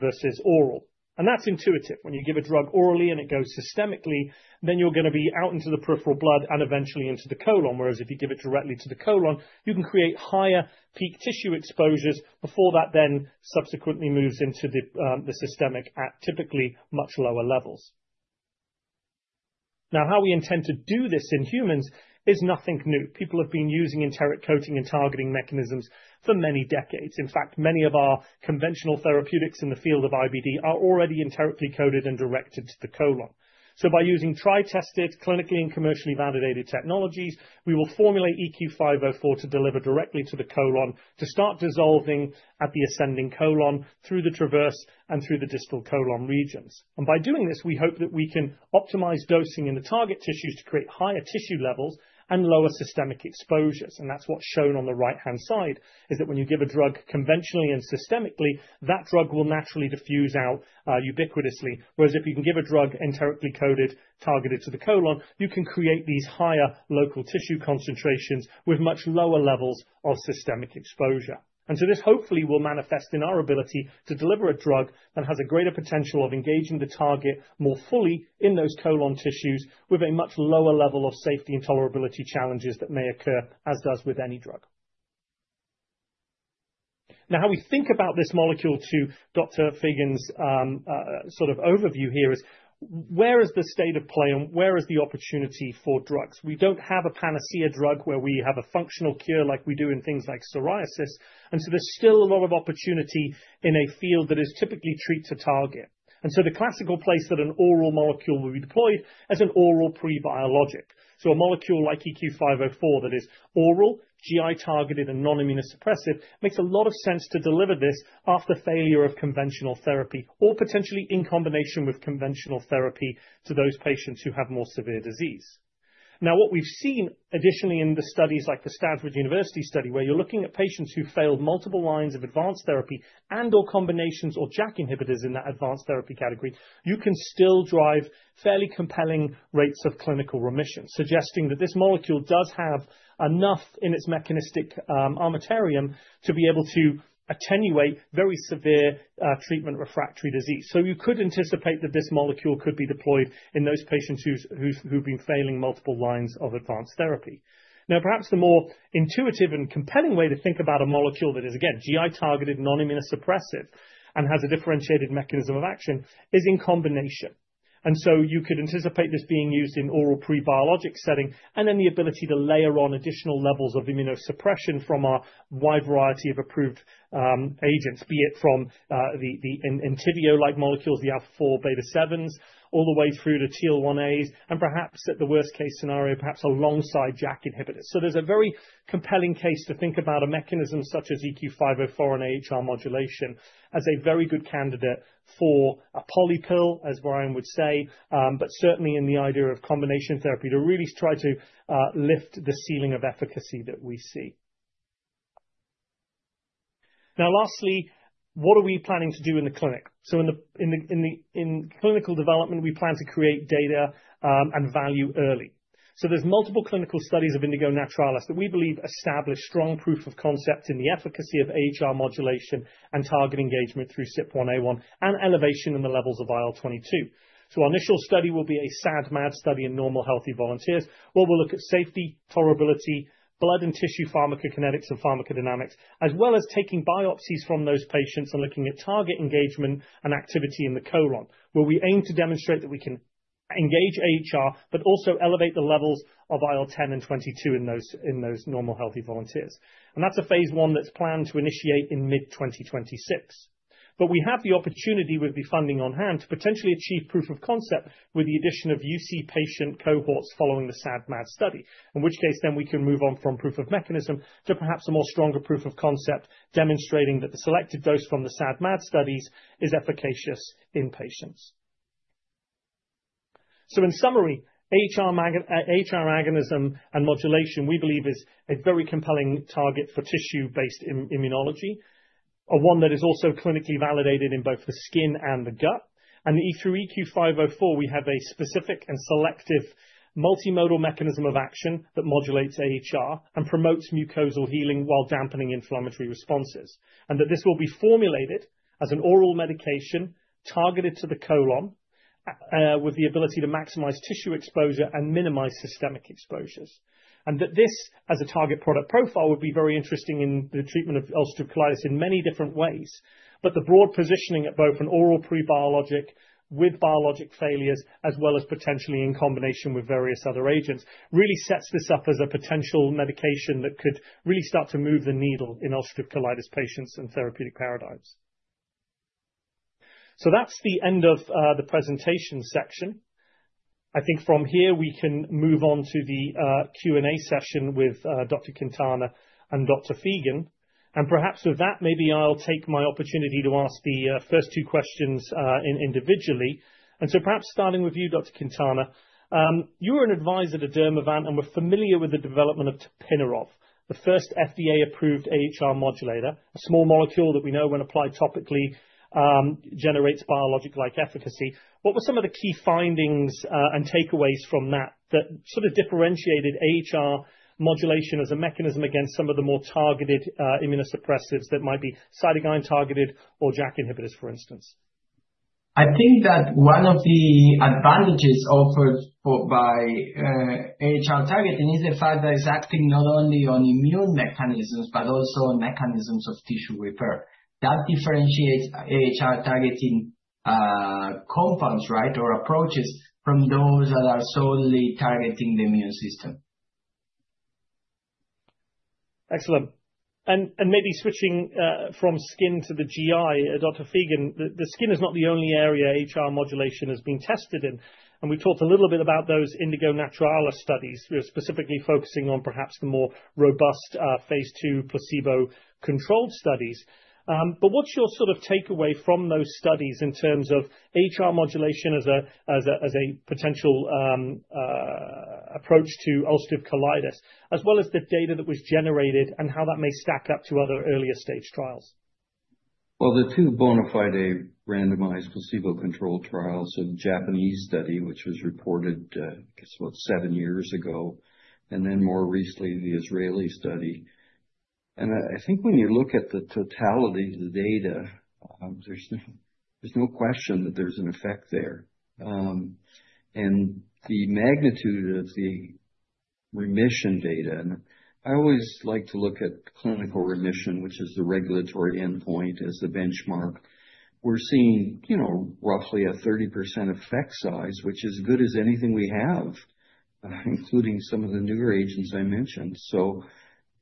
versus oral. That's intuitive. When you give a drug orally and it goes systemically, then you're going to be out into the peripheral blood and eventually into the colon, whereas if you give it directly to the colon, you can create higher peak tissue exposures before that then subsequently moves into the systemic at typically much lower levels. Now, how we intend to do this in humans is nothing new. People have been using enteric coating and targeting mechanisms for many decades. In fact, many of our conventional therapeutics in the field of IBD are already enterically coated and directed to the colon, so by using tried-and-tested, clinically and commercially validated technologies, we will formulate EQ504 to deliver directly to the colon to start dissolving at the ascending colon through the transverse and through the distal colon regions, and by doing this, we hope that we can optimize dosing in the target tissues to create higher tissue levels and lower systemic exposures, and that's what's shown on the right-hand side, is that when you give a drug conventionally and systemically, that drug will naturally diffuse out ubiquitously, whereas if you can give a drug enterically coated targeted to the colon, you can create these higher local tissue concentrations with much lower levels of systemic exposure. And so this hopefully will manifest in our ability to deliver a drug that has a greater potential of engaging the target more fully in those colon tissues with a much lower level of safety and tolerability challenges that may occur, as does with any drug. Now, how we think about this molecule to Dr. Feagan's sort of overview here is where is the state of play and where is the opportunity for drugs? We don't have a panacea drug where we have a functional cure like we do in things like psoriasis. And so there's still a lot of opportunity in a field that is typically treat to target. And so the classical place that an oral molecule will be deployed is an oral prebiologic. A molecule like EQ504 that is oral, GI targeted, and non-immunosuppressive makes a lot of sense to deliver this after failure of conventional therapy or potentially in combination with conventional therapy to those patients who have more severe disease. Now, what we've seen additionally in the studies like the Stanford University study, where you're looking at patients who failed multiple lines of advanced therapy and/or combinations or JAK inhibitors in that advanced therapy category, you can still drive fairly compelling rates of clinical remission, suggesting that this molecule does have enough in its mechanistic armamentarium to be able to attenuate very severe treatment refractory disease. You could anticipate that this molecule could be deployed in those patients who've been failing multiple lines of advanced therapy. Now, perhaps the more intuitive and compelling way to think about a molecule that is, again, GI targeted, non-immunosuppressive, and has a differentiated mechanism of action is in combination, and so you could anticipate this being used in oral prebiologic setting and then the ability to layer on additional levels of immunosuppression from our wide variety of approved agents, be it from the Entyvio-like molecules, the alpha-4 beta-7s, all the way through to TL1As, and perhaps at the worst case scenario, perhaps alongside JAK inhibitors, so there's a very compelling case to think about a mechanism such as EQ504 and AHR modulation as a very good candidate for a polypill, as Brian would say, but certainly in the idea of combination therapy to really try to lift the ceiling of efficacy that we see. Now, lastly, what are we planning to do in the clinic? In the clinical development, we plan to create data and value early. There's multiple clinical studies of Indigo naturalis that we believe establish strong proof of concept in the efficacy of AHR modulation and target engagement through CYP1A1 and elevation in the levels of IL-22. Our initial study will be a SAD-MAD study in normal healthy volunteers, where we'll look at safety, tolerability, blood and tissue pharmacokinetics and pharmacodynamics, as well as taking biopsies from those patients and looking at target engagement and activity in the colon, where we aim to demonstrate that we can engage AHR, but also elevate the levels of IL-10 and 22 in those normal healthy volunteers. That's a phase one that's planned to initiate in mid-2026. But we have the opportunity, with the funding on hand, to potentially achieve proof of concept with the addition of UC patient cohorts following the SAD-MAD study, in which case then we can move on from proof of mechanism to perhaps a more stronger proof of concept demonstrating that the selected dose from the SAD-MAD studies is efficacious in patients. So, in summary, AHR agonism and modulation, we believe, is a very compelling target for tissue-based immunology, one that is also clinically validated in both the skin and the gut. And through EQ504, we have a specific and selective multimodal mechanism of action that modulates AHR and promotes mucosal healing while dampening inflammatory responses, and that this will be formulated as an oral medication targeted to the colon with the ability to maximize tissue exposure and minimize systemic exposures. And that this, as a target product profile, would be very interesting in the treatment of ulcerative colitis in many different ways. But the broad positioning at both an oral prebiologic with biologic failures, as well as potentially in combination with various other agents, really sets this up as a potential medication that could really start to move the needle in ulcerative colitis patients and therapeutic paradigms. So, that's the end of the presentation section. I think from here, we can move on to the Q&A session with Dr. Quintana and Dr. Feagan. And perhaps with that, maybe I'll take my opportunity to ask the first two questions individually. And so perhaps starting with you, Dr. Quintana, you were an advisor to Dermavant and were familiar with the development of tapinarof, the first FDA-approved AHR modulator, a small molecule that we know when applied topically generates biologic-like efficacy. What were some of the key findings and takeaways from that that sort of differentiated AHR modulation as a mechanism against some of the more targeted immunosuppressives that might be cytokine targeted or JAK inhibitors, for instance? I think that one of the advantages offered by AHR targeting is the fact that it's acting not only on immune mechanisms, but also on mechanisms of tissue repair. That differentiates AHR targeting compounds, right, or approaches from those that are solely targeting the immune system. Excellent. And maybe switching from skin to the GI, Dr. Feagan, the skin is not the only area AHR modulation has been tested in. And we talked a little bit about those Indigo naturalis studies. We were specifically focusing on perhaps the more robust phase two placebo-controlled studies. But what's your sort of takeaway from those studies in terms of AHR modulation as a potential approach to ulcerative colitis, as well as the data that was generated and how that may stack up to other earlier stage trials? The two bona fide randomized placebo-controlled trials of the Japanese study, which was reported, I guess, about seven years ago, and then more recently, the Israeli study. I think when you look at the totality of the data, there's no question that there's an effect there. The magnitude of the remission data, and I always like to look at clinical remission, which is the regulatory endpoint as the benchmark. We're seeing, you know, roughly a 30% effect size, which is good as anything we have, including some of the newer agents I mentioned.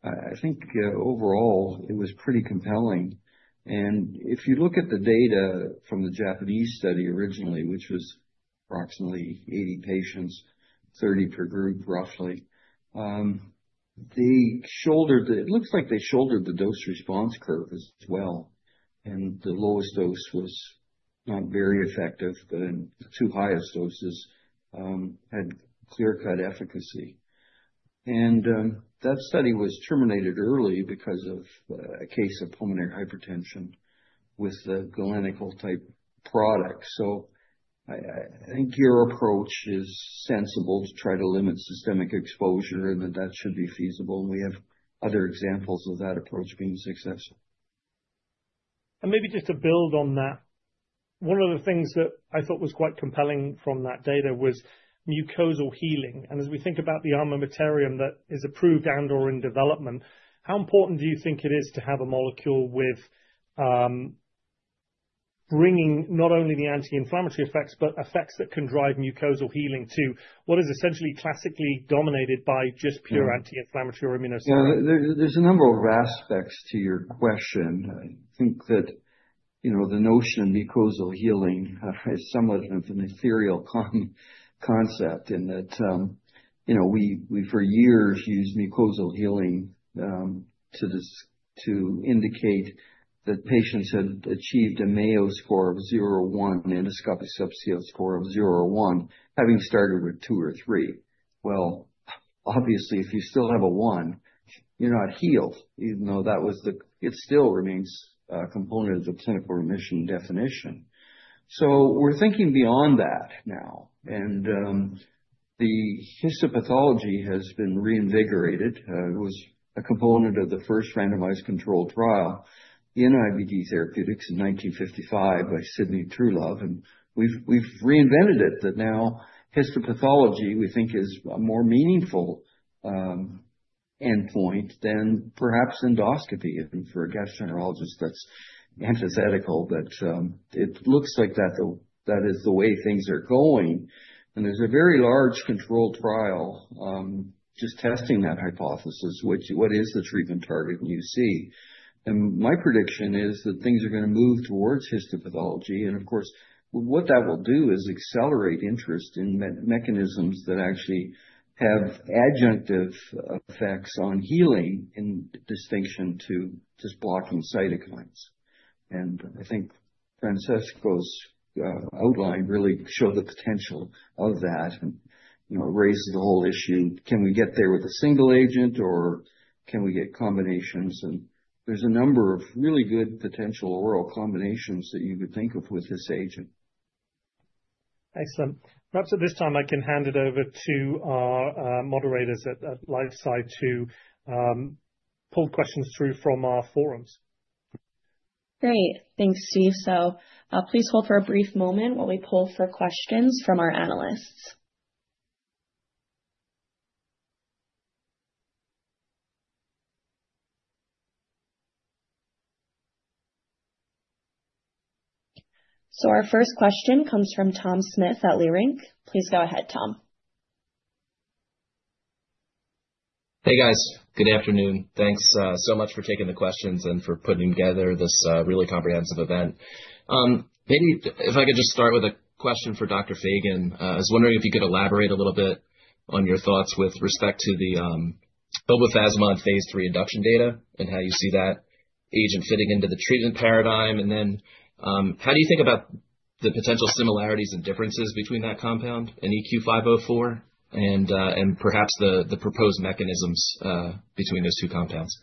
I think overall, it was pretty compelling. And if you look at the data from the Japanese study originally, which was approximately 80 patients, 30 per group, roughly, it looks like they showed the dose-response curve as well. And the lowest dose was not very effective, but the two highest doses had clear-cut efficacy. And that study was terminated early because of a case of pulmonary hypertension with the Indigo naturalis product. So, I think your approach is sensible to try to limit systemic exposure, and that should be feasible. And we have other examples of that approach being successful. And maybe just to build on that, one of the things that I thought was quite compelling from that data was mucosal healing. As we think about the armamentarium that is approved and/or in development, how important do you think it is to have a molecule with bringing not only the anti-inflammatory effects, but effects that can drive mucosal healing to what is essentially classically dominated by just pure anti-inflammatory or immunosuppressive? There's a number of aspects to your question. I think that, you know, the notion of mucosal healing is somewhat of an ethereal concept in that, you know, we for years used mucosal healing to indicate that patients had achieved a Mayo score of zero or one, endoscopic subscore of zero or one, having started with two or three. Well, obviously, if you still have a one, you're not healed, even though that was the. It still remains a component of the clinical remission definition. We're thinking beyond that now. The histopathology has been reinvigorated. It was a component of the first randomized controlled trial in IBD therapeutics in 1955 by Sidney Truelove, and we've reinvented it. That now histopathology, we think, is a more meaningful endpoint than perhaps endoscopy, and for a gastroenterologist, that's antithetical, but it looks like that is the way things are going, and there's a very large controlled trial just testing that hypothesis, which is what is the treatment target, and you see. My prediction is that things are going to move towards histopathology, and of course, what that will do is accelerate interest in mechanisms that actually have adjunctive effects on healing in distinction to just blocking cytokines. I think Francesco's outline really showed the potential of that and, you know, raised the whole issue. Can we get there with a single agent, or can we get combinations? There's a number of really good potential oral combinations that you could think of with this agent. Excellent. Perhaps at this time, I can hand it over to our moderators at LifeSci to pull questions through from our forums. Great. Thanks, Steve. So, please hold for a brief moment while we pull for questions from our analysts. So, our first question comes from Tom Smith at Leerink. Please go ahead, Tom. Hey, guys. Good afternoon. Thanks so much for taking the questions and for putting together this really comprehensive event. Maybe if I could just start with a question for Dr. Feagan. I was wondering if you could elaborate a little bit on your thoughts with respect to the Obefazimod phase three induction data and how you see that agent fitting into the treatment paradigm. Then how do you think about the potential similarities and differences between that compound and EQ504 and perhaps the proposed mechanisms between those two compounds?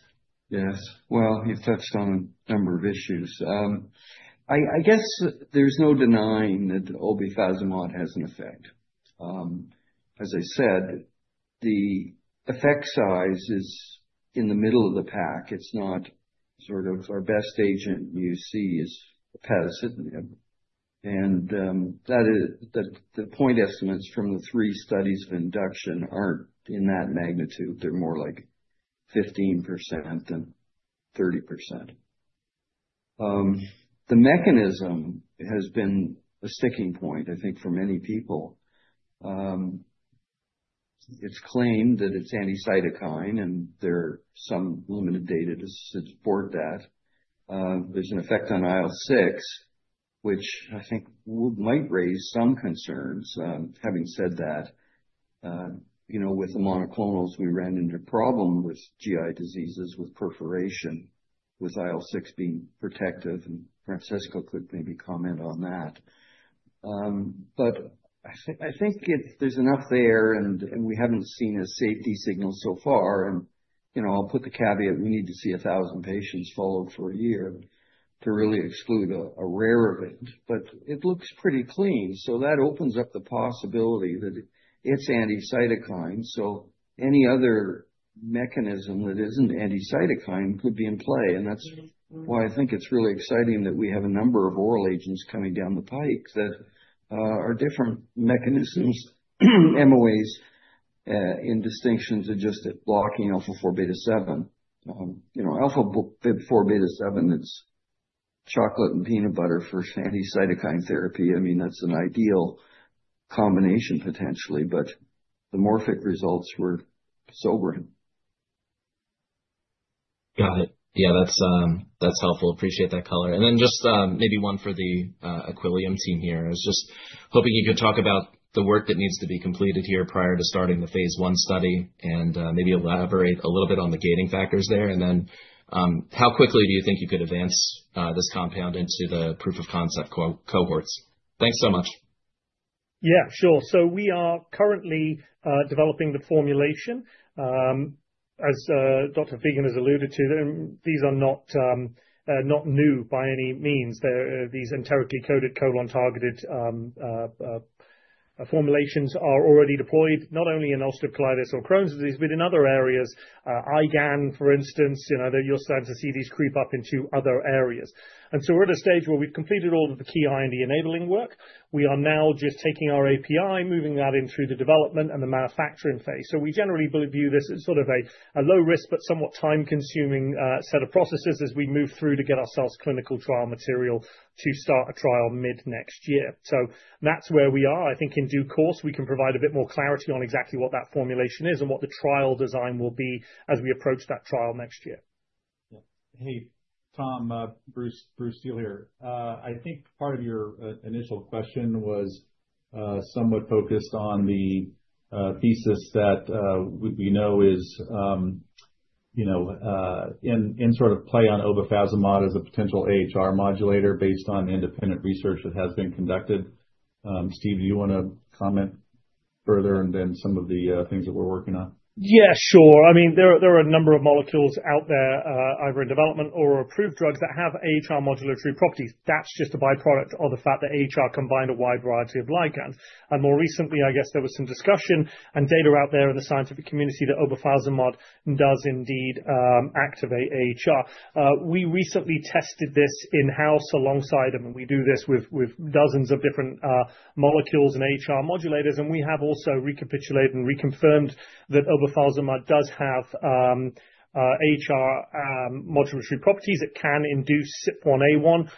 Yes. You've touched on a number of issues. I guess there's no denying that Obefazimod has an effect. As I said, the effect size is in the middle of the pack. It's not sort of our best agent you see is apheresis. And the point estimates from the three studies of induction aren't in that magnitude. They're more like 15% than 30%. The mechanism has been a sticking point, I think, for many people. It's claimed that it's anti-cytokine, and there are some limited data to support that. There's an effect on IL-6, which I think might raise some concerns. Having said that, you know, with the Monoclonals, we ran into a problem with GI diseases with perforation, with IL-6 being protective. Francisco could maybe comment on that. But I think there's enough there, and we haven't seen a safety signal so far. And, you know, I'll put the caveat we need to see 1,000 patients followed for a year to really exclude a rare event. But it looks pretty clean. So, that opens up the possibility that it's anti-cytokine. So, any other mechanism that isn't anti-cytokine could be in play. And that's why I think it's really exciting that we have a number of oral agents coming down the pike that are different mechanisms, MOAs, in distinction to just blocking alpha-4 beta-7. You know, alpha-4 beta-7, it's chocolate and peanut butter for anti-cytokine therapy. I mean, that's an ideal combination potentially, but the Morphic results were sobering. Got it. Yeah, that's helpful. Appreciate that color. And then just maybe one for the Equillium team here. I was just hoping you could talk about the work that needs to be completed here prior to starting the phase one study and maybe elaborate a little bit on the gating factors there. And then how quickly do you think you could advance this compound into the proof of concept cohorts? Thanks so much. Yeah, sure. So, we are currently developing the formulation. As Dr. Feagan has alluded to, these are not new by any means. These enterically coated colon targeted formulations are already deployed, not only in ulcerative colitis or Crohn's disease, but in other areas, IgAN, for instance, you know, you're starting to see these creep up into other areas. And so, we're at a stage where we've completed all of the key IND enabling work. We are now just taking our API, moving that in through the development and the manufacturing phase. So, we generally view this as sort of a low-risk but somewhat time-consuming set of processes as we move through to get ourselves clinical trial material to start a trial mid-next year. So, that's where we are. I think in due course, we can provide a bit more clarity on exactly what that formulation is and what the trial design will be as we approach that trial next year. Hey, Tom, Bruce Steel here. I think part of your initial question was somewhat focused on the thesis that we know is, you know, in sort of play on Obefazimod as a potential AHR modulator based on independent research that has been conducted. Steve, do you want to comment further on some of the things that we're working on? Yeah, sure. I mean, there are a number of molecules out there either in development or approved drugs that have AHR modulatory properties. That's just a byproduct of the fact that AHR combined a wide variety of ligands, and more recently, I guess there was some discussion and data out there in the scientific community that obefazimod does indeed activate AHR. We recently tested this in-house alongside, and we do this with dozens of different molecules and AHR modulators, and we have also recapitulated and reconfirmed that obefazimod does have AHR modulatory properties. It can induce CYP1A1,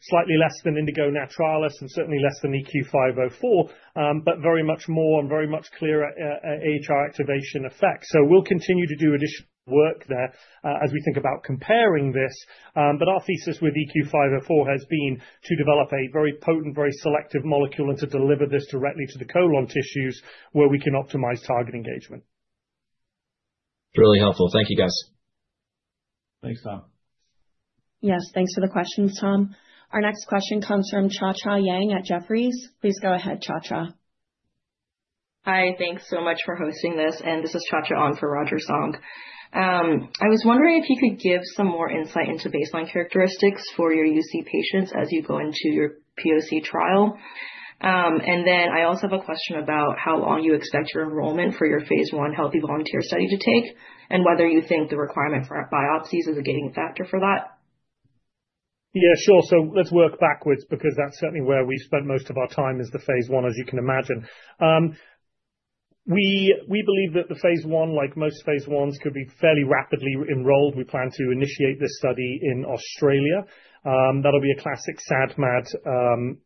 slightly less than Indigo naturalis and certainly less than EQ504, but very much more and very much clearer AHR activation effect, so we'll continue to do additional work there as we think about comparing this. But our thesis with EQ504 has been to develop a very potent, very selective molecule and to deliver this directly to the colon tissues where we can optimize target engagement. Really helpful. Thank you, guys. Thanks, Tom. Yes, thanks for the questions, Tom. Our next question comes from Cha Cha Yang at Jefferies. Please go ahead, Chacha. Hi, thanks so much for hosting this. And this is Chacha on for Roger Song. I was wondering if you could give some more insight into baseline characteristics for your UC patients as you go into your POC trial. And then I also have a question about how long you expect your enrollment for your phase one healthy volunteer study to take and whether you think the requirement for biopsies is a gating factor for that. Yeah, sure. Let's work backwards because that's certainly where we spent most of our time as the phase one, as you can imagine. We believe that the phase one, like most phase 1s, could be fairly rapidly enrolled. We plan to initiate this study in Australia. That'll be a classic SAD/MAD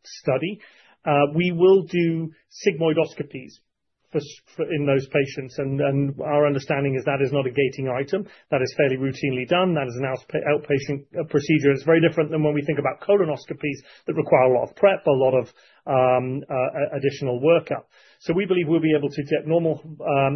study. We will do sigmoidoscopies in those patients. Our understanding is that is not a gating item. That is fairly routinely done. That is an outpatient procedure. It's very different than when we think about colonoscopies that require a lot of prep, a lot of additional workup. We believe we'll be able to get normal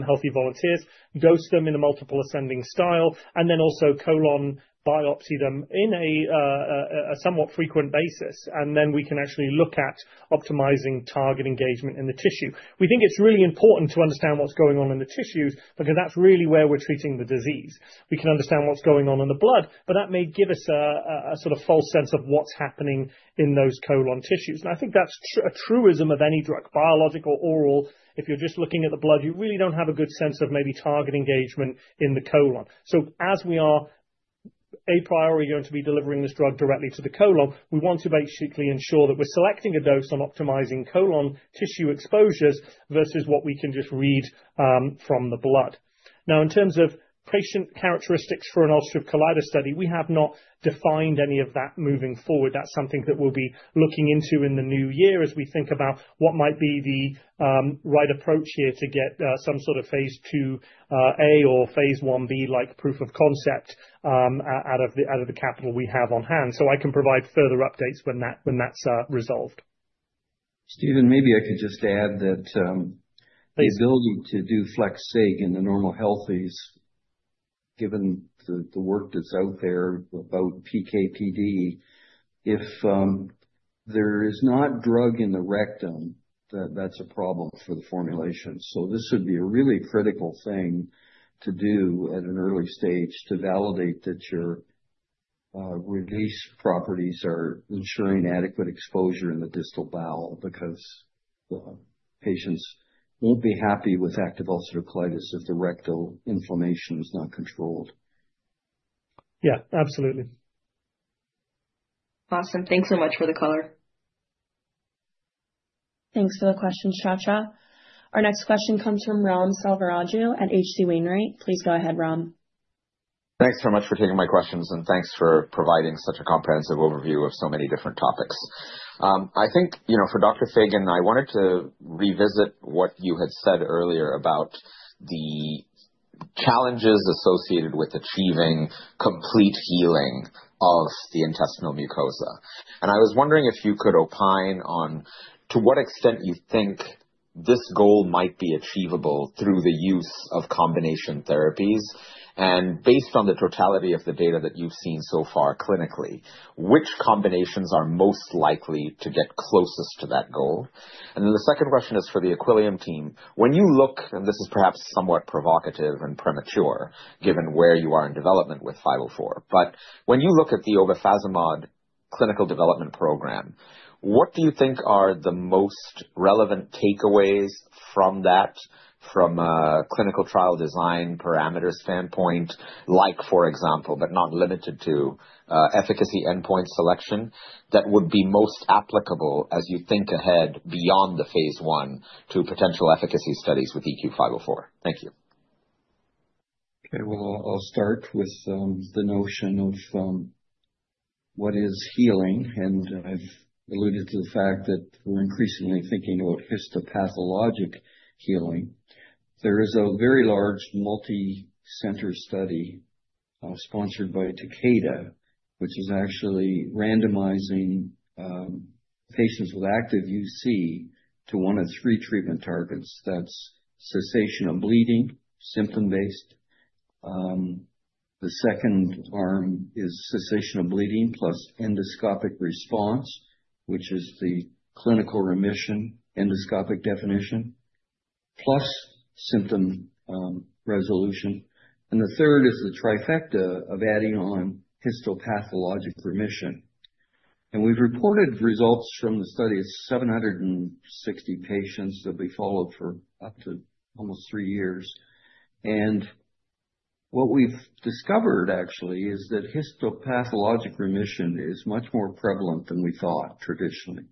healthy volunteers, dose them in a multiple ascending style, and then also colon biopsy them on a somewhat frequent basis, then we can actually look at optimizing target engagement in the tissue. We think it's really important to understand what's going on in the tissues because that's really where we're treating the disease. We can understand what's going on in the blood, but that may give us a sort of false sense of what's happening in those colon tissues. I think that's a truism of any drug, biological, oral. If you're just looking at the blood, you really don't have a good sense of maybe target engagement in the colon. As we are a priori going to be delivering this drug directly to the colon, we want to basically ensure that we're selecting a dose on optimizing colon tissue exposures versus what we can just read from the blood. Now, in terms of patient characteristics for an ulcerative colitis study, we have not defined any of that moving forward. That's something that we'll be looking into in the new year as we think about what might be the right approach here to get some sort of phase 2A or phase 1B-like proof of concept out of the capital we have on hand. So, I can provide further updates when that's resolved. Stephen, maybe I could just add that the ability to do FLEX-SIG in the normal healthies, given the work that's out there about PKPD, if there is not drug in the rectum, that's a problem for the formulation. So, this would be a really critical thing to do at an early stage to validate that your release properties are ensuring adequate exposure in the distal bowel because patients won't be happy with active ulcerative colitis if the rectal inflammation is not controlled. Yeah, absolutely. Awesome. Thanks so much for the color. Thanks for the question, Chacha. Our next question comes from Ram Selvaraju at H.C. Wainwright. Please go ahead, Ram. Thanks so much for taking my questions, and thanks for providing such a comprehensive overview of so many different topics. I think, you know, for Dr. Feagan, I wanted to revisit what you had said earlier about the challenges associated with achieving complete healing of the intestinal mucosa. And I was wondering if you could opine on to what extent you think this goal might be achievable through the use of combination therapies. And based on the totality of the data that you've seen so far clinically, which combinations are most likely to get closest to that goal? And then the second question is for the Equillium team. When you look, and this is perhaps somewhat provocative and premature given where you are in development with 504, but when you look at the obefazimod clinical development program, what do you think are the most relevant takeaways from that, from a clinical trial design parameter standpoint, like, for example, but not limited to efficacy endpoint selection, that would be most applicable as you think ahead beyond the phase one to potential efficacy studies with EQ504?Thank you. Okay, well, I'll start with the notion of what is healing. I've alluded to the fact that we're increasingly thinking about histopathologic healing. There is a very large multi-center study sponsored by Takeda, which is actually randomizing patients with active UC to one of three treatment targets. That's cessation of bleeding, symptom-based. The second arm is cessation of bleeding plus endoscopic response, which is the clinical remission endoscopic definition plus symptom resolution. And the third is the trifecta of adding on histopathologic remission. And we've reported results from the study of 760 patients that we followed for up to almost three years. And what we've discovered actually is that histopathologic remission is much more prevalent than we thought traditionally.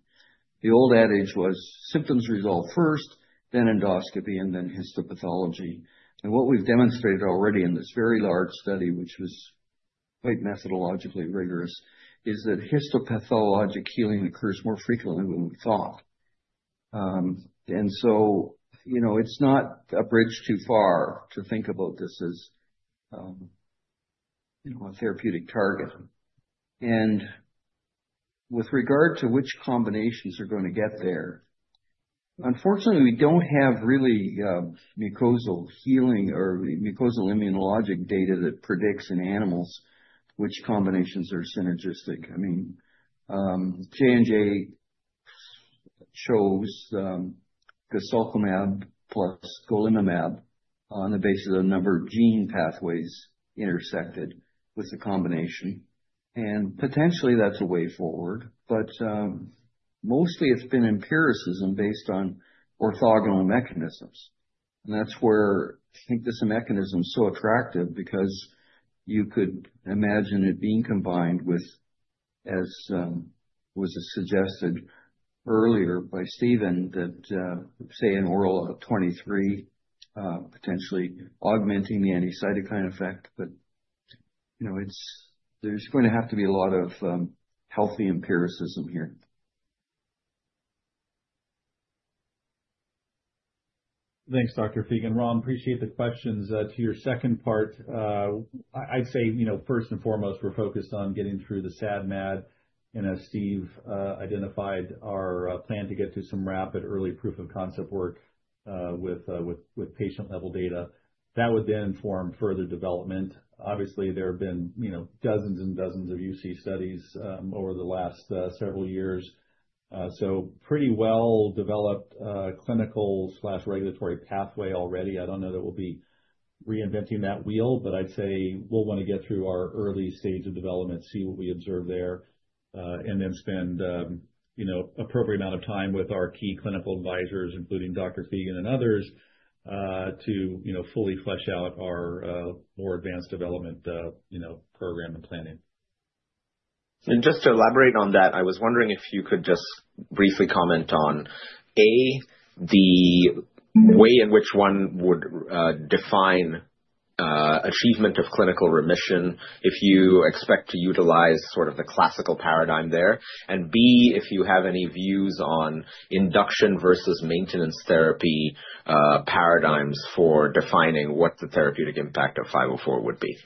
The old adage was symptoms resolve first, then endoscopy, and then histopathology. And what we've demonstrated already in this very large study, which was quite methodologically rigorous, is that histopathologic healing occurs more frequently than we thought. And so, you know, it's not a bridge too far to think about this as, you know, a therapeutic target. And with regard to which combinations are going to get there, unfortunately, we don't have really mucosal healing or mucosal immunologic data that predicts in animals which combinations are synergistic. I mean, J&J chose guselkumab plus golimumab on the basis of a number of gene pathways intersected with the combination. And potentially that's a way forward. But mostly it's been empiricism based on orthogonal mechanisms. And that's where I think this mechanism is so attractive because you could imagine it being combined with, as was suggested earlier by Stephen, that say an oral IL-23 potentially augmenting the anti-cytokine effect. But, you know, there's going to have to be a lot of healthy empiricism here. Thanks, Dr. Feagan. Ram, appreciate the questions. To your second part, I'd say, you know, first and foremost, we're focused on getting through the SAD/MAD, and as Steve identified, our plan to get to some rapid early proof of concept work with patient-level data that would then form further development. Obviously, there have been, you know, dozens and dozens of UC studies over the last several years. So, pretty well-developed clinical/regulatory pathway already. I don't know that we'll be reinventing that wheel, but I'd say we'll want to get through our early stage of development, see what we observe there, and then spend, you know, an appropriate amount of time with our key clinical advisors, including Dr. Feagan and others, to, you know, fully flesh out our more advanced development, you know, program and planning. And just to elaborate on that, I was wondering if you could just briefly comment on, A, the way in which one would define achievement of clinical remission if you expect to utilize sort of the classical paradigm there, and B, if you have any views on induction versus maintenance therapy paradigms for defining what the therapeutic impact of 504 would be.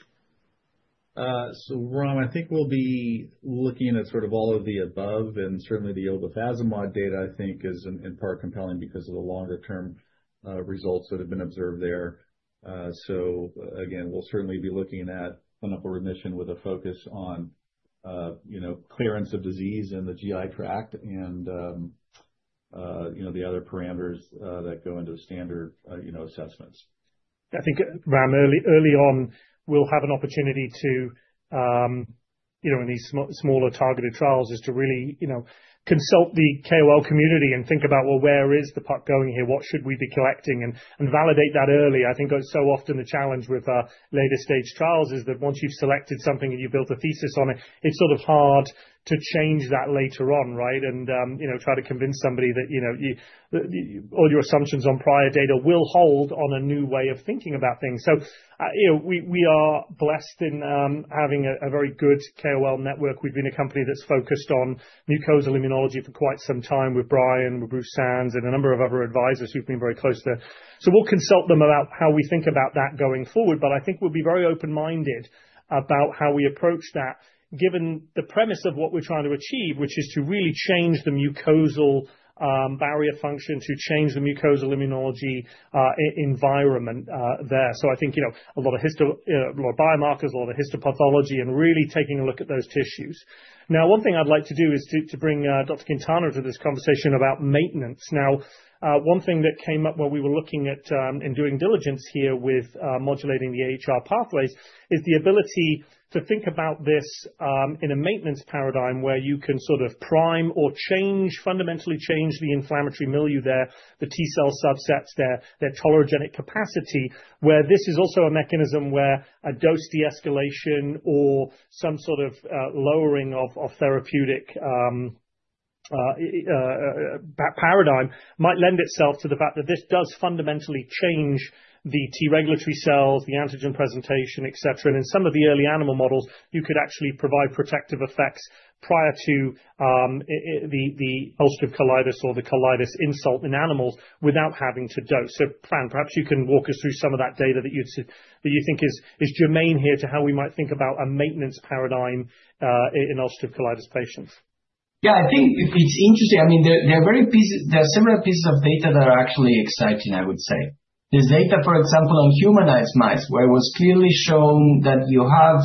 So, Ram, I think we'll be looking at sort of all of the above. And certainly the obefazimod data, I think, is in part compelling because of the longer-term results that have been observed there. So, again, we'll certainly be looking at clinical remission with a focus on, you know, clearance of disease in the GI tract and, you know, the other parameters that go into standard, you know, assessments. I think, Ram, early on, we'll have an opportunity to, you know, in these smaller targeted trials, is to really, you know, consult the KOL community and think about, well, where is the puck going here? What should we be collecting? And validate that early. I think so often the challenge with later-stage trials is that once you've selected something and you've built a thesis on it, it's sort of hard to change that later on, right? And, you know, try to convince somebody that, you know, all your assumptions on prior data will hold on a new way of thinking about things. So, you know, we are blessed in having a very good KOL network. We've been a company that's focused on mucosal immunology for quite some time with Brian, with Bruce Sands, and a number of other advisors who've been very close to. We'll consult them about how we think about that going forward. I think we'll be very open-minded about how we approach that, given the premise of what we're trying to achieve, which is to really change the mucosal barrier function to change the mucosal immunology environment there. I think, you know, a lot of biomarkers, a lot of histopathology, and really taking a look at those tissues. One thing I'd like to do is to bring Dr. Quintana to this conversation about maintenance. Now, one thing that came up when we were looking at and doing diligence here with modulating the AHR pathways is the ability to think about this in a maintenance paradigm where you can sort of prime or change, fundamentally change the inflammatory milieu there, the T cell subsets, their tolerogenic capacity, where this is also a mechanism where a dose de-escalation or some sort of lowering of therapeutic paradigm might lend itself to the fact that this does fundamentally change the T regulatory cells, the antigen presentation, et cetera. In some of the early animal models, you could actually provide protective effects prior to the ulcerative colitis or the colitis insult in animals without having to dose. So, Fran, perhaps you can walk us through some of that data that you think is germane here to how we might think about a maintenance paradigm in ulcerative colitis patients. Yeah, I think it's interesting. I mean, there are several pieces of data that are actually exciting, I would say. There's data, for example, on humanized mice, where it was clearly shown that you have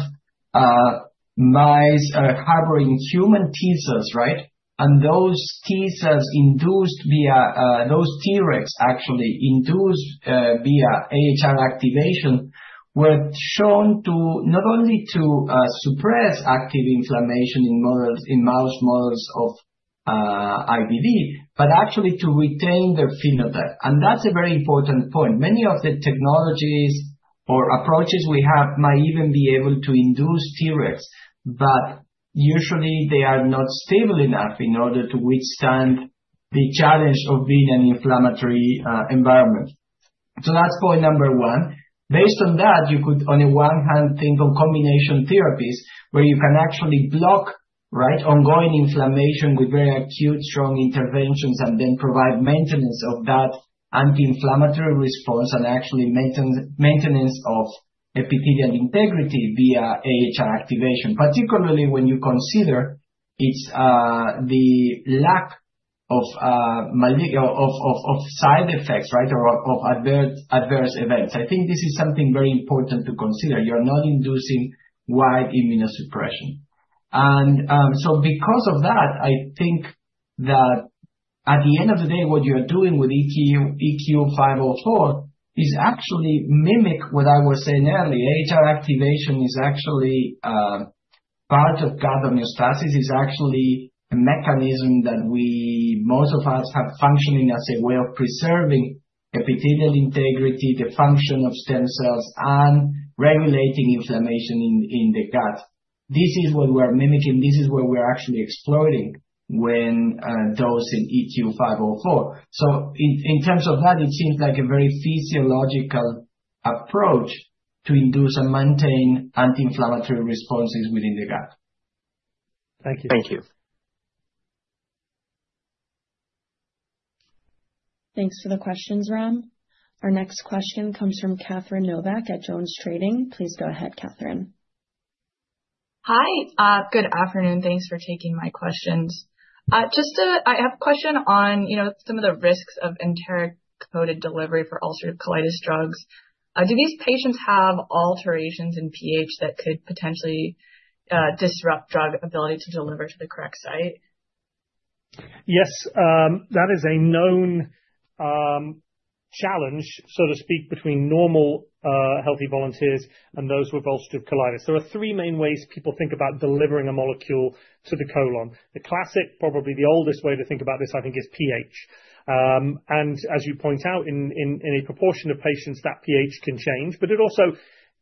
mice harboring human T cells, right? And those Tregs actually induced via AHR activation were shown to not only suppress active inflammation in mouse models of IBD, but actually to retain their phenotype. And that's a very important point. Many of the technologies or approaches we have might even be able to induce Tregs, but usually they are not stable enough in order to withstand the challenge of being an inflammatory environment. So, that's point number one. Based on that, you could, on the one hand, think of combination therapies where you can actually block, right, ongoing inflammation with very acute, strong interventions and then provide maintenance of that anti-inflammatory response and actually maintenance of epithelial integrity via AHR activation, particularly when you consider the lack of side effects, right, or of adverse events. I think this is something very important to consider. You're not inducing wide immunosuppression, and so, because of that, I think that at the end of the day, what you're doing with EQ504 is actually mimic what I was saying earlier. AHR activation is actually part of gut homeostasis. It's actually a mechanism that most of us have functioning as a way of preserving epithelial integrity, the function of stem cells, and regulating inflammation in the gut. This is what we're mimicking. This is what we're actually exploiting when dosing EQ504. So, in terms of that, it seems like a very physiological approach to induce and maintain anti-inflammatory responses within the gut. Thank you. Thank you. Thanks for the questions, Ram. Our next question comes from Catherine Novack at JonesTrading. Please go ahead, Catherine. Hi. Good afternoon. Thanks for taking my questions. Just a question on, you know, some of the risks of enteric-coated delivery for ulcerative colitis drugs. Do these patients have alterations in pH that could potentially disrupt drug ability to deliver to the correct site? Yes. That is a known challenge, so to speak, between normal healthy volunteers and those with ulcerative colitis. There are three main ways people think about delivering a molecule to the colon. The classic, probably the oldest way to think about this, I think, is pH. As you point out, in a proportion of patients, that pH can change, but it also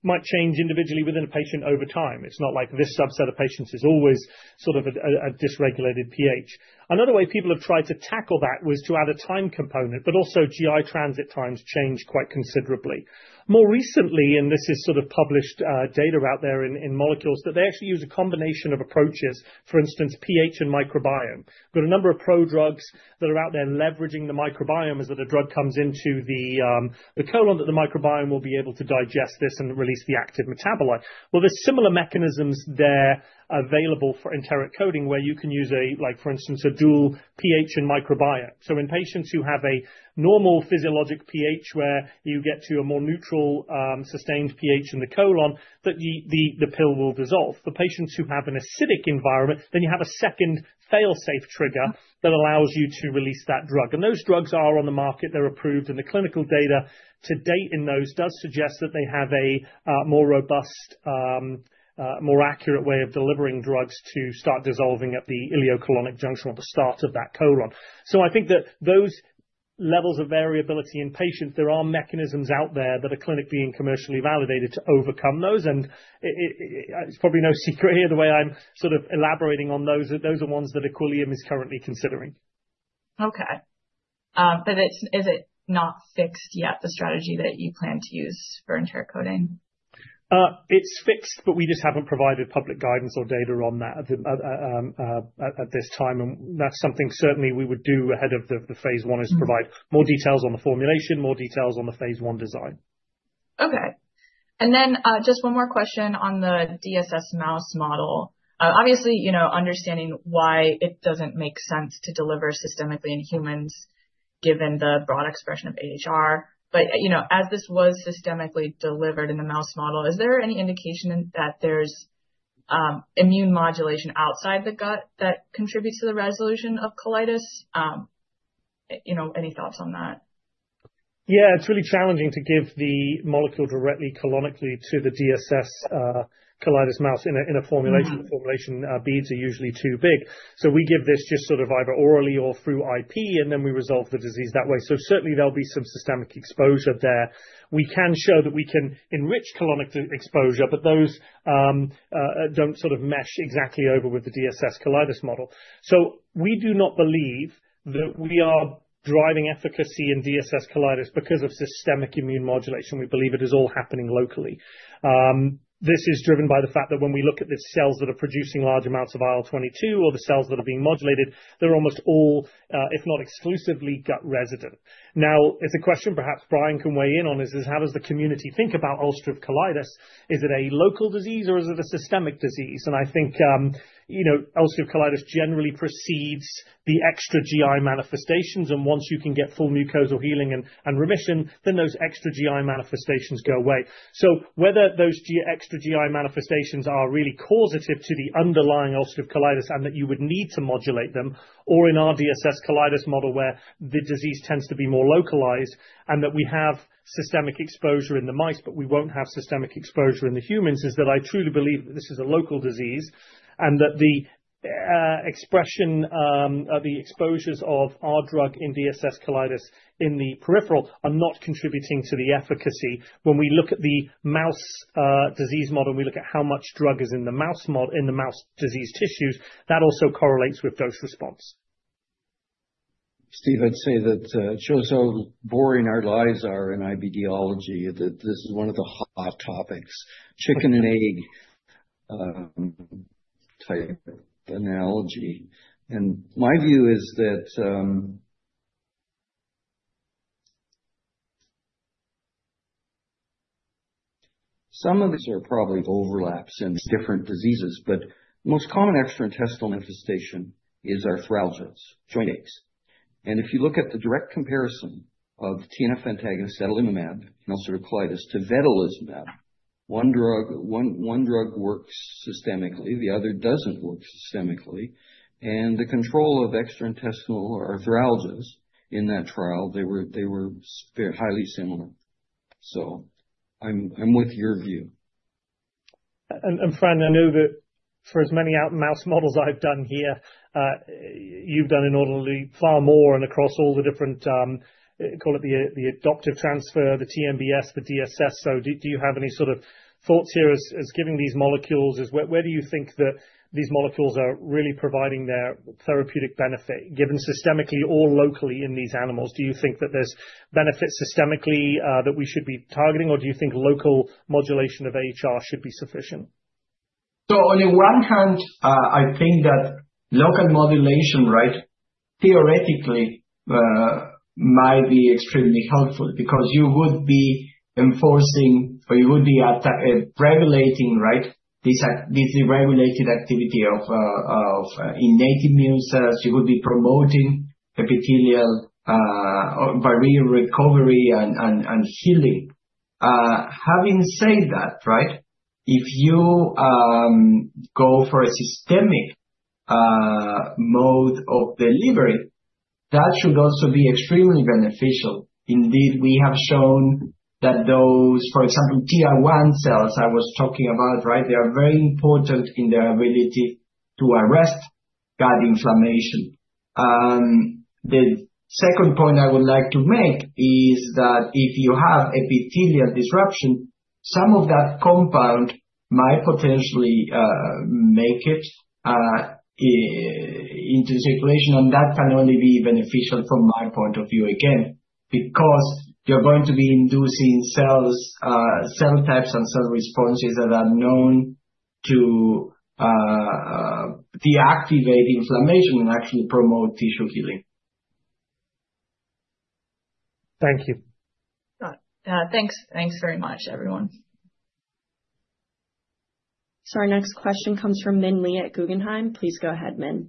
might change individually within a patient over time. It's not like this subset of patients is always sort of a dysregulated pH. Another way people have tried to tackle that was to add a time component, but also GI transit times change quite considerably. More recently, and this is sort of published data out there in the literature, that they actually use a combination of approaches. For instance, pH and microbiome. We've got a number of prodrugs that are out there leveraging the microbiome as the drug comes into the colon that the microbiome will be able to digest this and release the active metabolite. There's similar mechanisms there available for enteric coating where you can use a, like, for instance, a dual pH and microbiome. In patients who have a normal physiologic pH where you get to a more neutral sustained pH in the colon, the pill will dissolve. For patients who have an acidic environment, then you have a second fail-safe trigger that allows you to release that drug. Those drugs are on the market. They're approved. The clinical data to date in those does suggest that they have a more robust, more accurate way of delivering drugs to start dissolving at the ileocolonic junction at the start of that colon. I think that those levels of variability in patients, there are mechanisms out there that are clinically and commercially validated to overcome those. It's probably no secret here, the way I'm sort of elaborating on those, those are ones that Equillium is currently considering. Okay. But is it not fixed yet, the strategy that you plan to use for enteric coating? It's fixed, but we just haven't provided public guidance or data on that at this time, and that's something certainly we would do ahead of the phase one, is to provide more details on the formulation, more details on the phase one design. Okay. And then just one more question on the DSS mouse model. Obviously, you know, understanding why it doesn't make sense to deliver systemically in humans given the broad expression of AHR. But, you know, as this was systemically delivered in the mouse model, is there any indication that there's immune modulation outside the gut that contributes to the resolution of colitis? You know, any thoughts on that? Yeah, it's really challenging to give the molecule directly colonically to the DSS colitis mouse in a formulation. Formulation beads are usually too big. So, we give this just sort of either orally or through IP, and then we resolve the disease that way. So, certainly there'll be some systemic exposure there. We can show that we can enrich colonic exposure, but those don't sort of mesh exactly over with the DSS colitis model. So, we do not believe that we are driving efficacy in DSS colitis because of systemic immune modulation. We believe it is all happening locally. This is driven by the fact that when we look at the cells that are producing large amounts of IL-22 or the cells that are being modulated, they're almost all, if not exclusively, gut resident. Now, it's a question perhaps Brian can weigh in on is, how does the community think about ulcerative colitis? Is it a local disease or is it a systemic disease? I think, you know, ulcerative colitis generally precedes the extra GI manifestations. Once you can get full mucosal healing and remission, then those extra GI manifestations go away. Whether those extra GI manifestations are really causative to the underlying ulcerative colitis and that you would need to modulate them, or in our DSS colitis model where the disease tends to be more localized and that we have systemic exposure in the mice, but we won't have systemic exposure in the humans, is that I truly believe that this is a local disease and that the expression, the exposures of our drug in DSS colitis in the peripheral are not contributing to the efficacy. When we look at the mouse disease model, we look at how much drug is in the mouse disease tissues. That also correlates with dose response. Steve, I'd say that it shows how boring our lives are in IBDology, that this is one of the hot topics, chicken and egg type analogy. My view is that some of these are probably overlaps in different diseases, but the most common extra-intestinal manifestation is arthralgias, joint aches. If you look at the direct comparison of TNF antagonist Adalimumab in ulcerative colitis to vedolizumab, one drug works systemically, the other doesn't work systemically. The control of extra-intestinal arthralgias in that trial, they were very highly similar. So, I'm with your view. Fran, I know that for as many mouse models I've done here, you've done arguably far more and across all the different, call it the adoptive transfer, the TNBS, the DSS. Do you have any sort of thoughts here regarding these molecules? Where do you think that these molecules are really providing their therapeutic benefit given systemically or locally in these animals? Do you think that there's benefit systemically that we should be targeting, or do you think local modulation of AHR should be sufficient? So, on the one hand, I think that local modulation, right, theoretically might be extremely helpful because you would be enforcing or you would be regulating this deregulated activity of innate immune cells. You would be promoting epithelial barrier recovery and healing. Having said that, right, if you go for a systemic mode of delivery, that should also be extremely beneficial. Indeed, we have shown that those, for example, TR1 cells I was talking about, right, they are very important in their ability to arrest gut inflammation. The second point I would like to make is that if you have epithelial disruption, some of that compound might potentially make it into circulation, and that can only be beneficial from my point of view, again, because you're going to be inducing cell types and cell responses that are known to deactivate inflammation and actually promote tissue healing. Thank you. Thanks. Thanks very much, everyone, so our next question comes from Minh Le at Guggenheim. Please go ahead, Minh.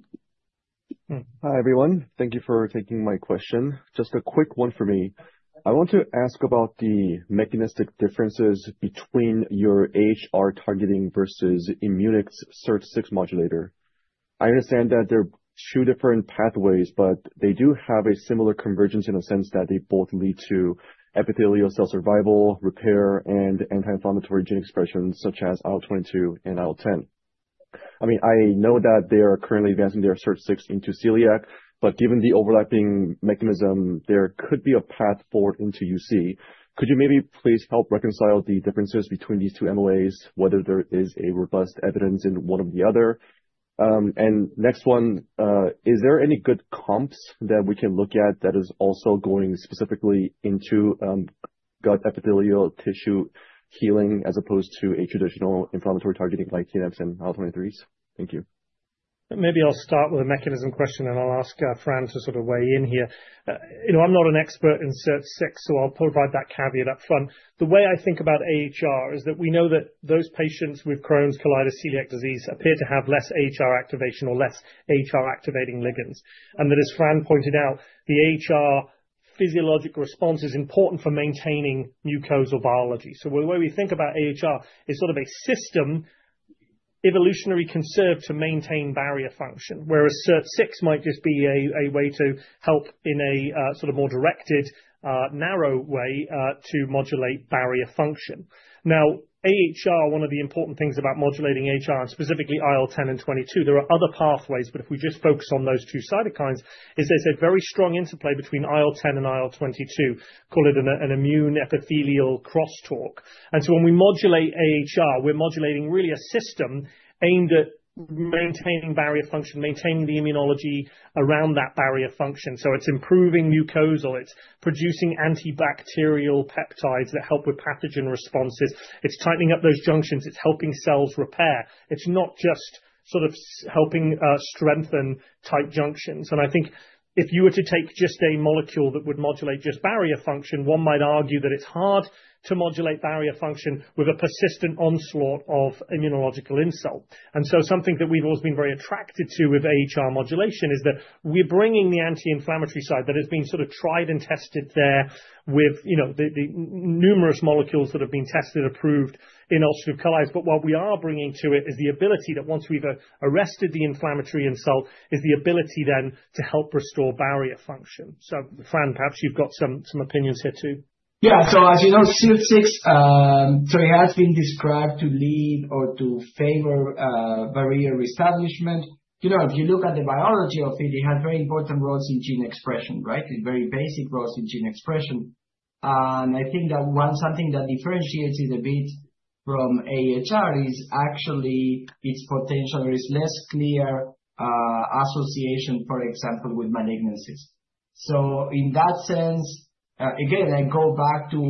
Hi, everyone. Thank you for taking my question. Just a quick one for me. I want to ask about the mechanistic differences between your AHR targeting versus Immunix CERT-6 modulator. I understand that there are two different pathways, but they do have a similar convergence in the sense that they both lead to epithelial cell survival, repair, and anti-inflammatory gene expressions such as IL-22 and IL-10. I mean, I know that they are currently advancing their CERT-6 into celiac, but given the overlapping mechanism, there could be a path forward into UC. Could you maybe please help reconcile the differences between these two MOAs, whether there is robust evidence in one or the other? And next one, is there any good comps that we can look at that is also going specifically into gut epithelial tissue healing as opposed to a traditional inflammatory targeting like TNFs and IL-23s? Thank you. Maybe I'll start with a mechanism question, and I'll ask Fran to sort of weigh in here. You know, I'm not an expert in CERT-6, so I'll provide that caveat up front. The way I think about AHR is that we know that those patients with Crohn's, colitis, celiac disease appear to have less AHR activation or less AHR activating ligands. That, as Fran pointed out, the AHR physiologic response is important for maintaining mucosal biology. The way we think about AHR is sort of a system evolutionarily conserved to maintain barrier function, whereas CERT-6 might just be a way to help in a sort of more directed, narrow way to modulate barrier function. Now, one of the important things about modulating AHR, and specifically IL-10 and IL-22, there are other pathways, but if we just focus on those two cytokines, is that there's a very strong interplay between IL-10 and IL-22, call it an immune epithelial crosstalk. When we modulate AHR, we're modulating really a system aimed at maintaining barrier function, maintaining the immunology around that barrier function. It's improving mucosal. It's producing antibacterial peptides that help with pathogen responses. It's tightening up those junctions. It's helping cells repair. It's not just sort of helping strengthen tight junctions. And I think if you were to take just a molecule that would modulate just barrier function, one might argue that it's hard to modulate barrier function with a persistent onslaught of immunological insult. And so, something that we've always been very attracted to with AHR modulation is that we're bringing the anti-inflammatory side that has been sort of tried and tested there with, you know, the numerous molecules that have been tested, approved in ulcerative colitis. But what we are bringing to it is the ability that once we've arrested the inflammatory insult, is the ability then to help restore barrier function. So, Fran, perhaps you've got some opinions here too. Yeah. So, as you know, CERT-6, so it has been described to lead or to favor barrier reestablishment. You know, if you look at the biology of it, it has very important roles in gene expression, right? Very basic roles in gene expression, and I think that's something that differentiates it a bit from AHR is actually its potential or its less clear association, for example, with malignancies, so, in that sense, again, I go back to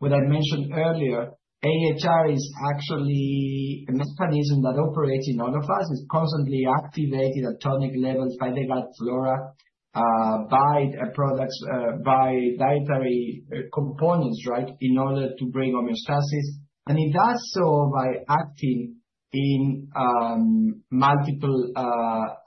what I mentioned earlier. AHR is actually a mechanism that operates in all of us. It's constantly activated at tonic levels by the gut flora, by dietary components, right, in order to bring homeostasis, and it does so by acting in multiple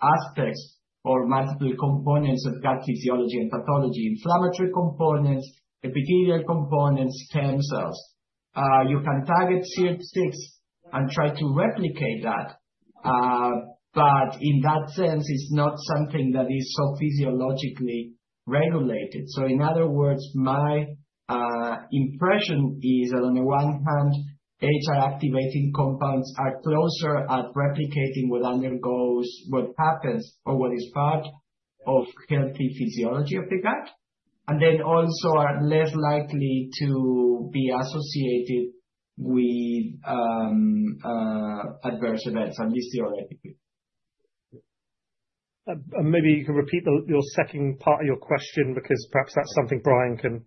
aspects or multiple components of gut physiology and pathology, inflammatory components, epithelial components, stem cells. You can target TL1A and try to replicate that. But in that sense, it's not something that is so physiologically regulated. So, in other words, my impression is that on the one hand, AHR activating compounds are closer at replicating what undergoes, what happens, or what is part of healthy physiology of the gut, and then also are less likely to be associated with adverse events, at least theoretically. And maybe you can repeat your second part of your question because perhaps that's something Brian can...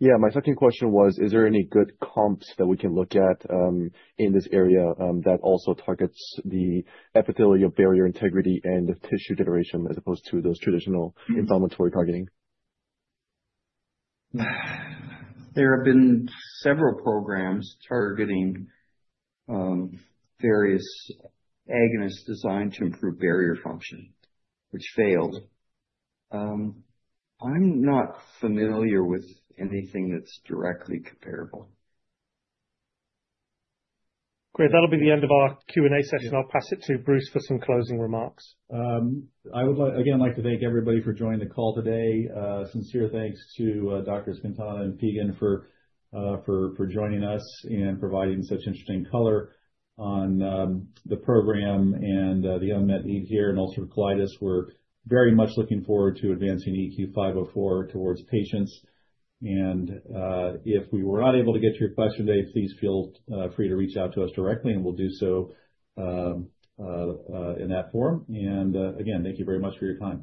Yeah, my second question was, is there any good comps that we can look at in this area that also targets the epithelial barrier integrity and the tissue generation as opposed to those traditional inflammatory targeting? There have been several programs targeting various agonists designed to improve barrier function, which failed. I'm not familiar with anything that's directly comparable. Great. That'll be the end of our Q&A session. I'll pass it to Bruce for some closing remarks. I would like, again, like to thank everybody for joining the call today. Sincere thanks to Doctors Quintana and Feagan for joining us and providing such interesting color on the program and the unmet need here in ulcerative colitis. We're very much looking forward to advancing EQ504 towards patients, and if we were not able to get your question today, please feel free to reach out to us directly, and we'll do so in that form, and again, thank you very much for your time.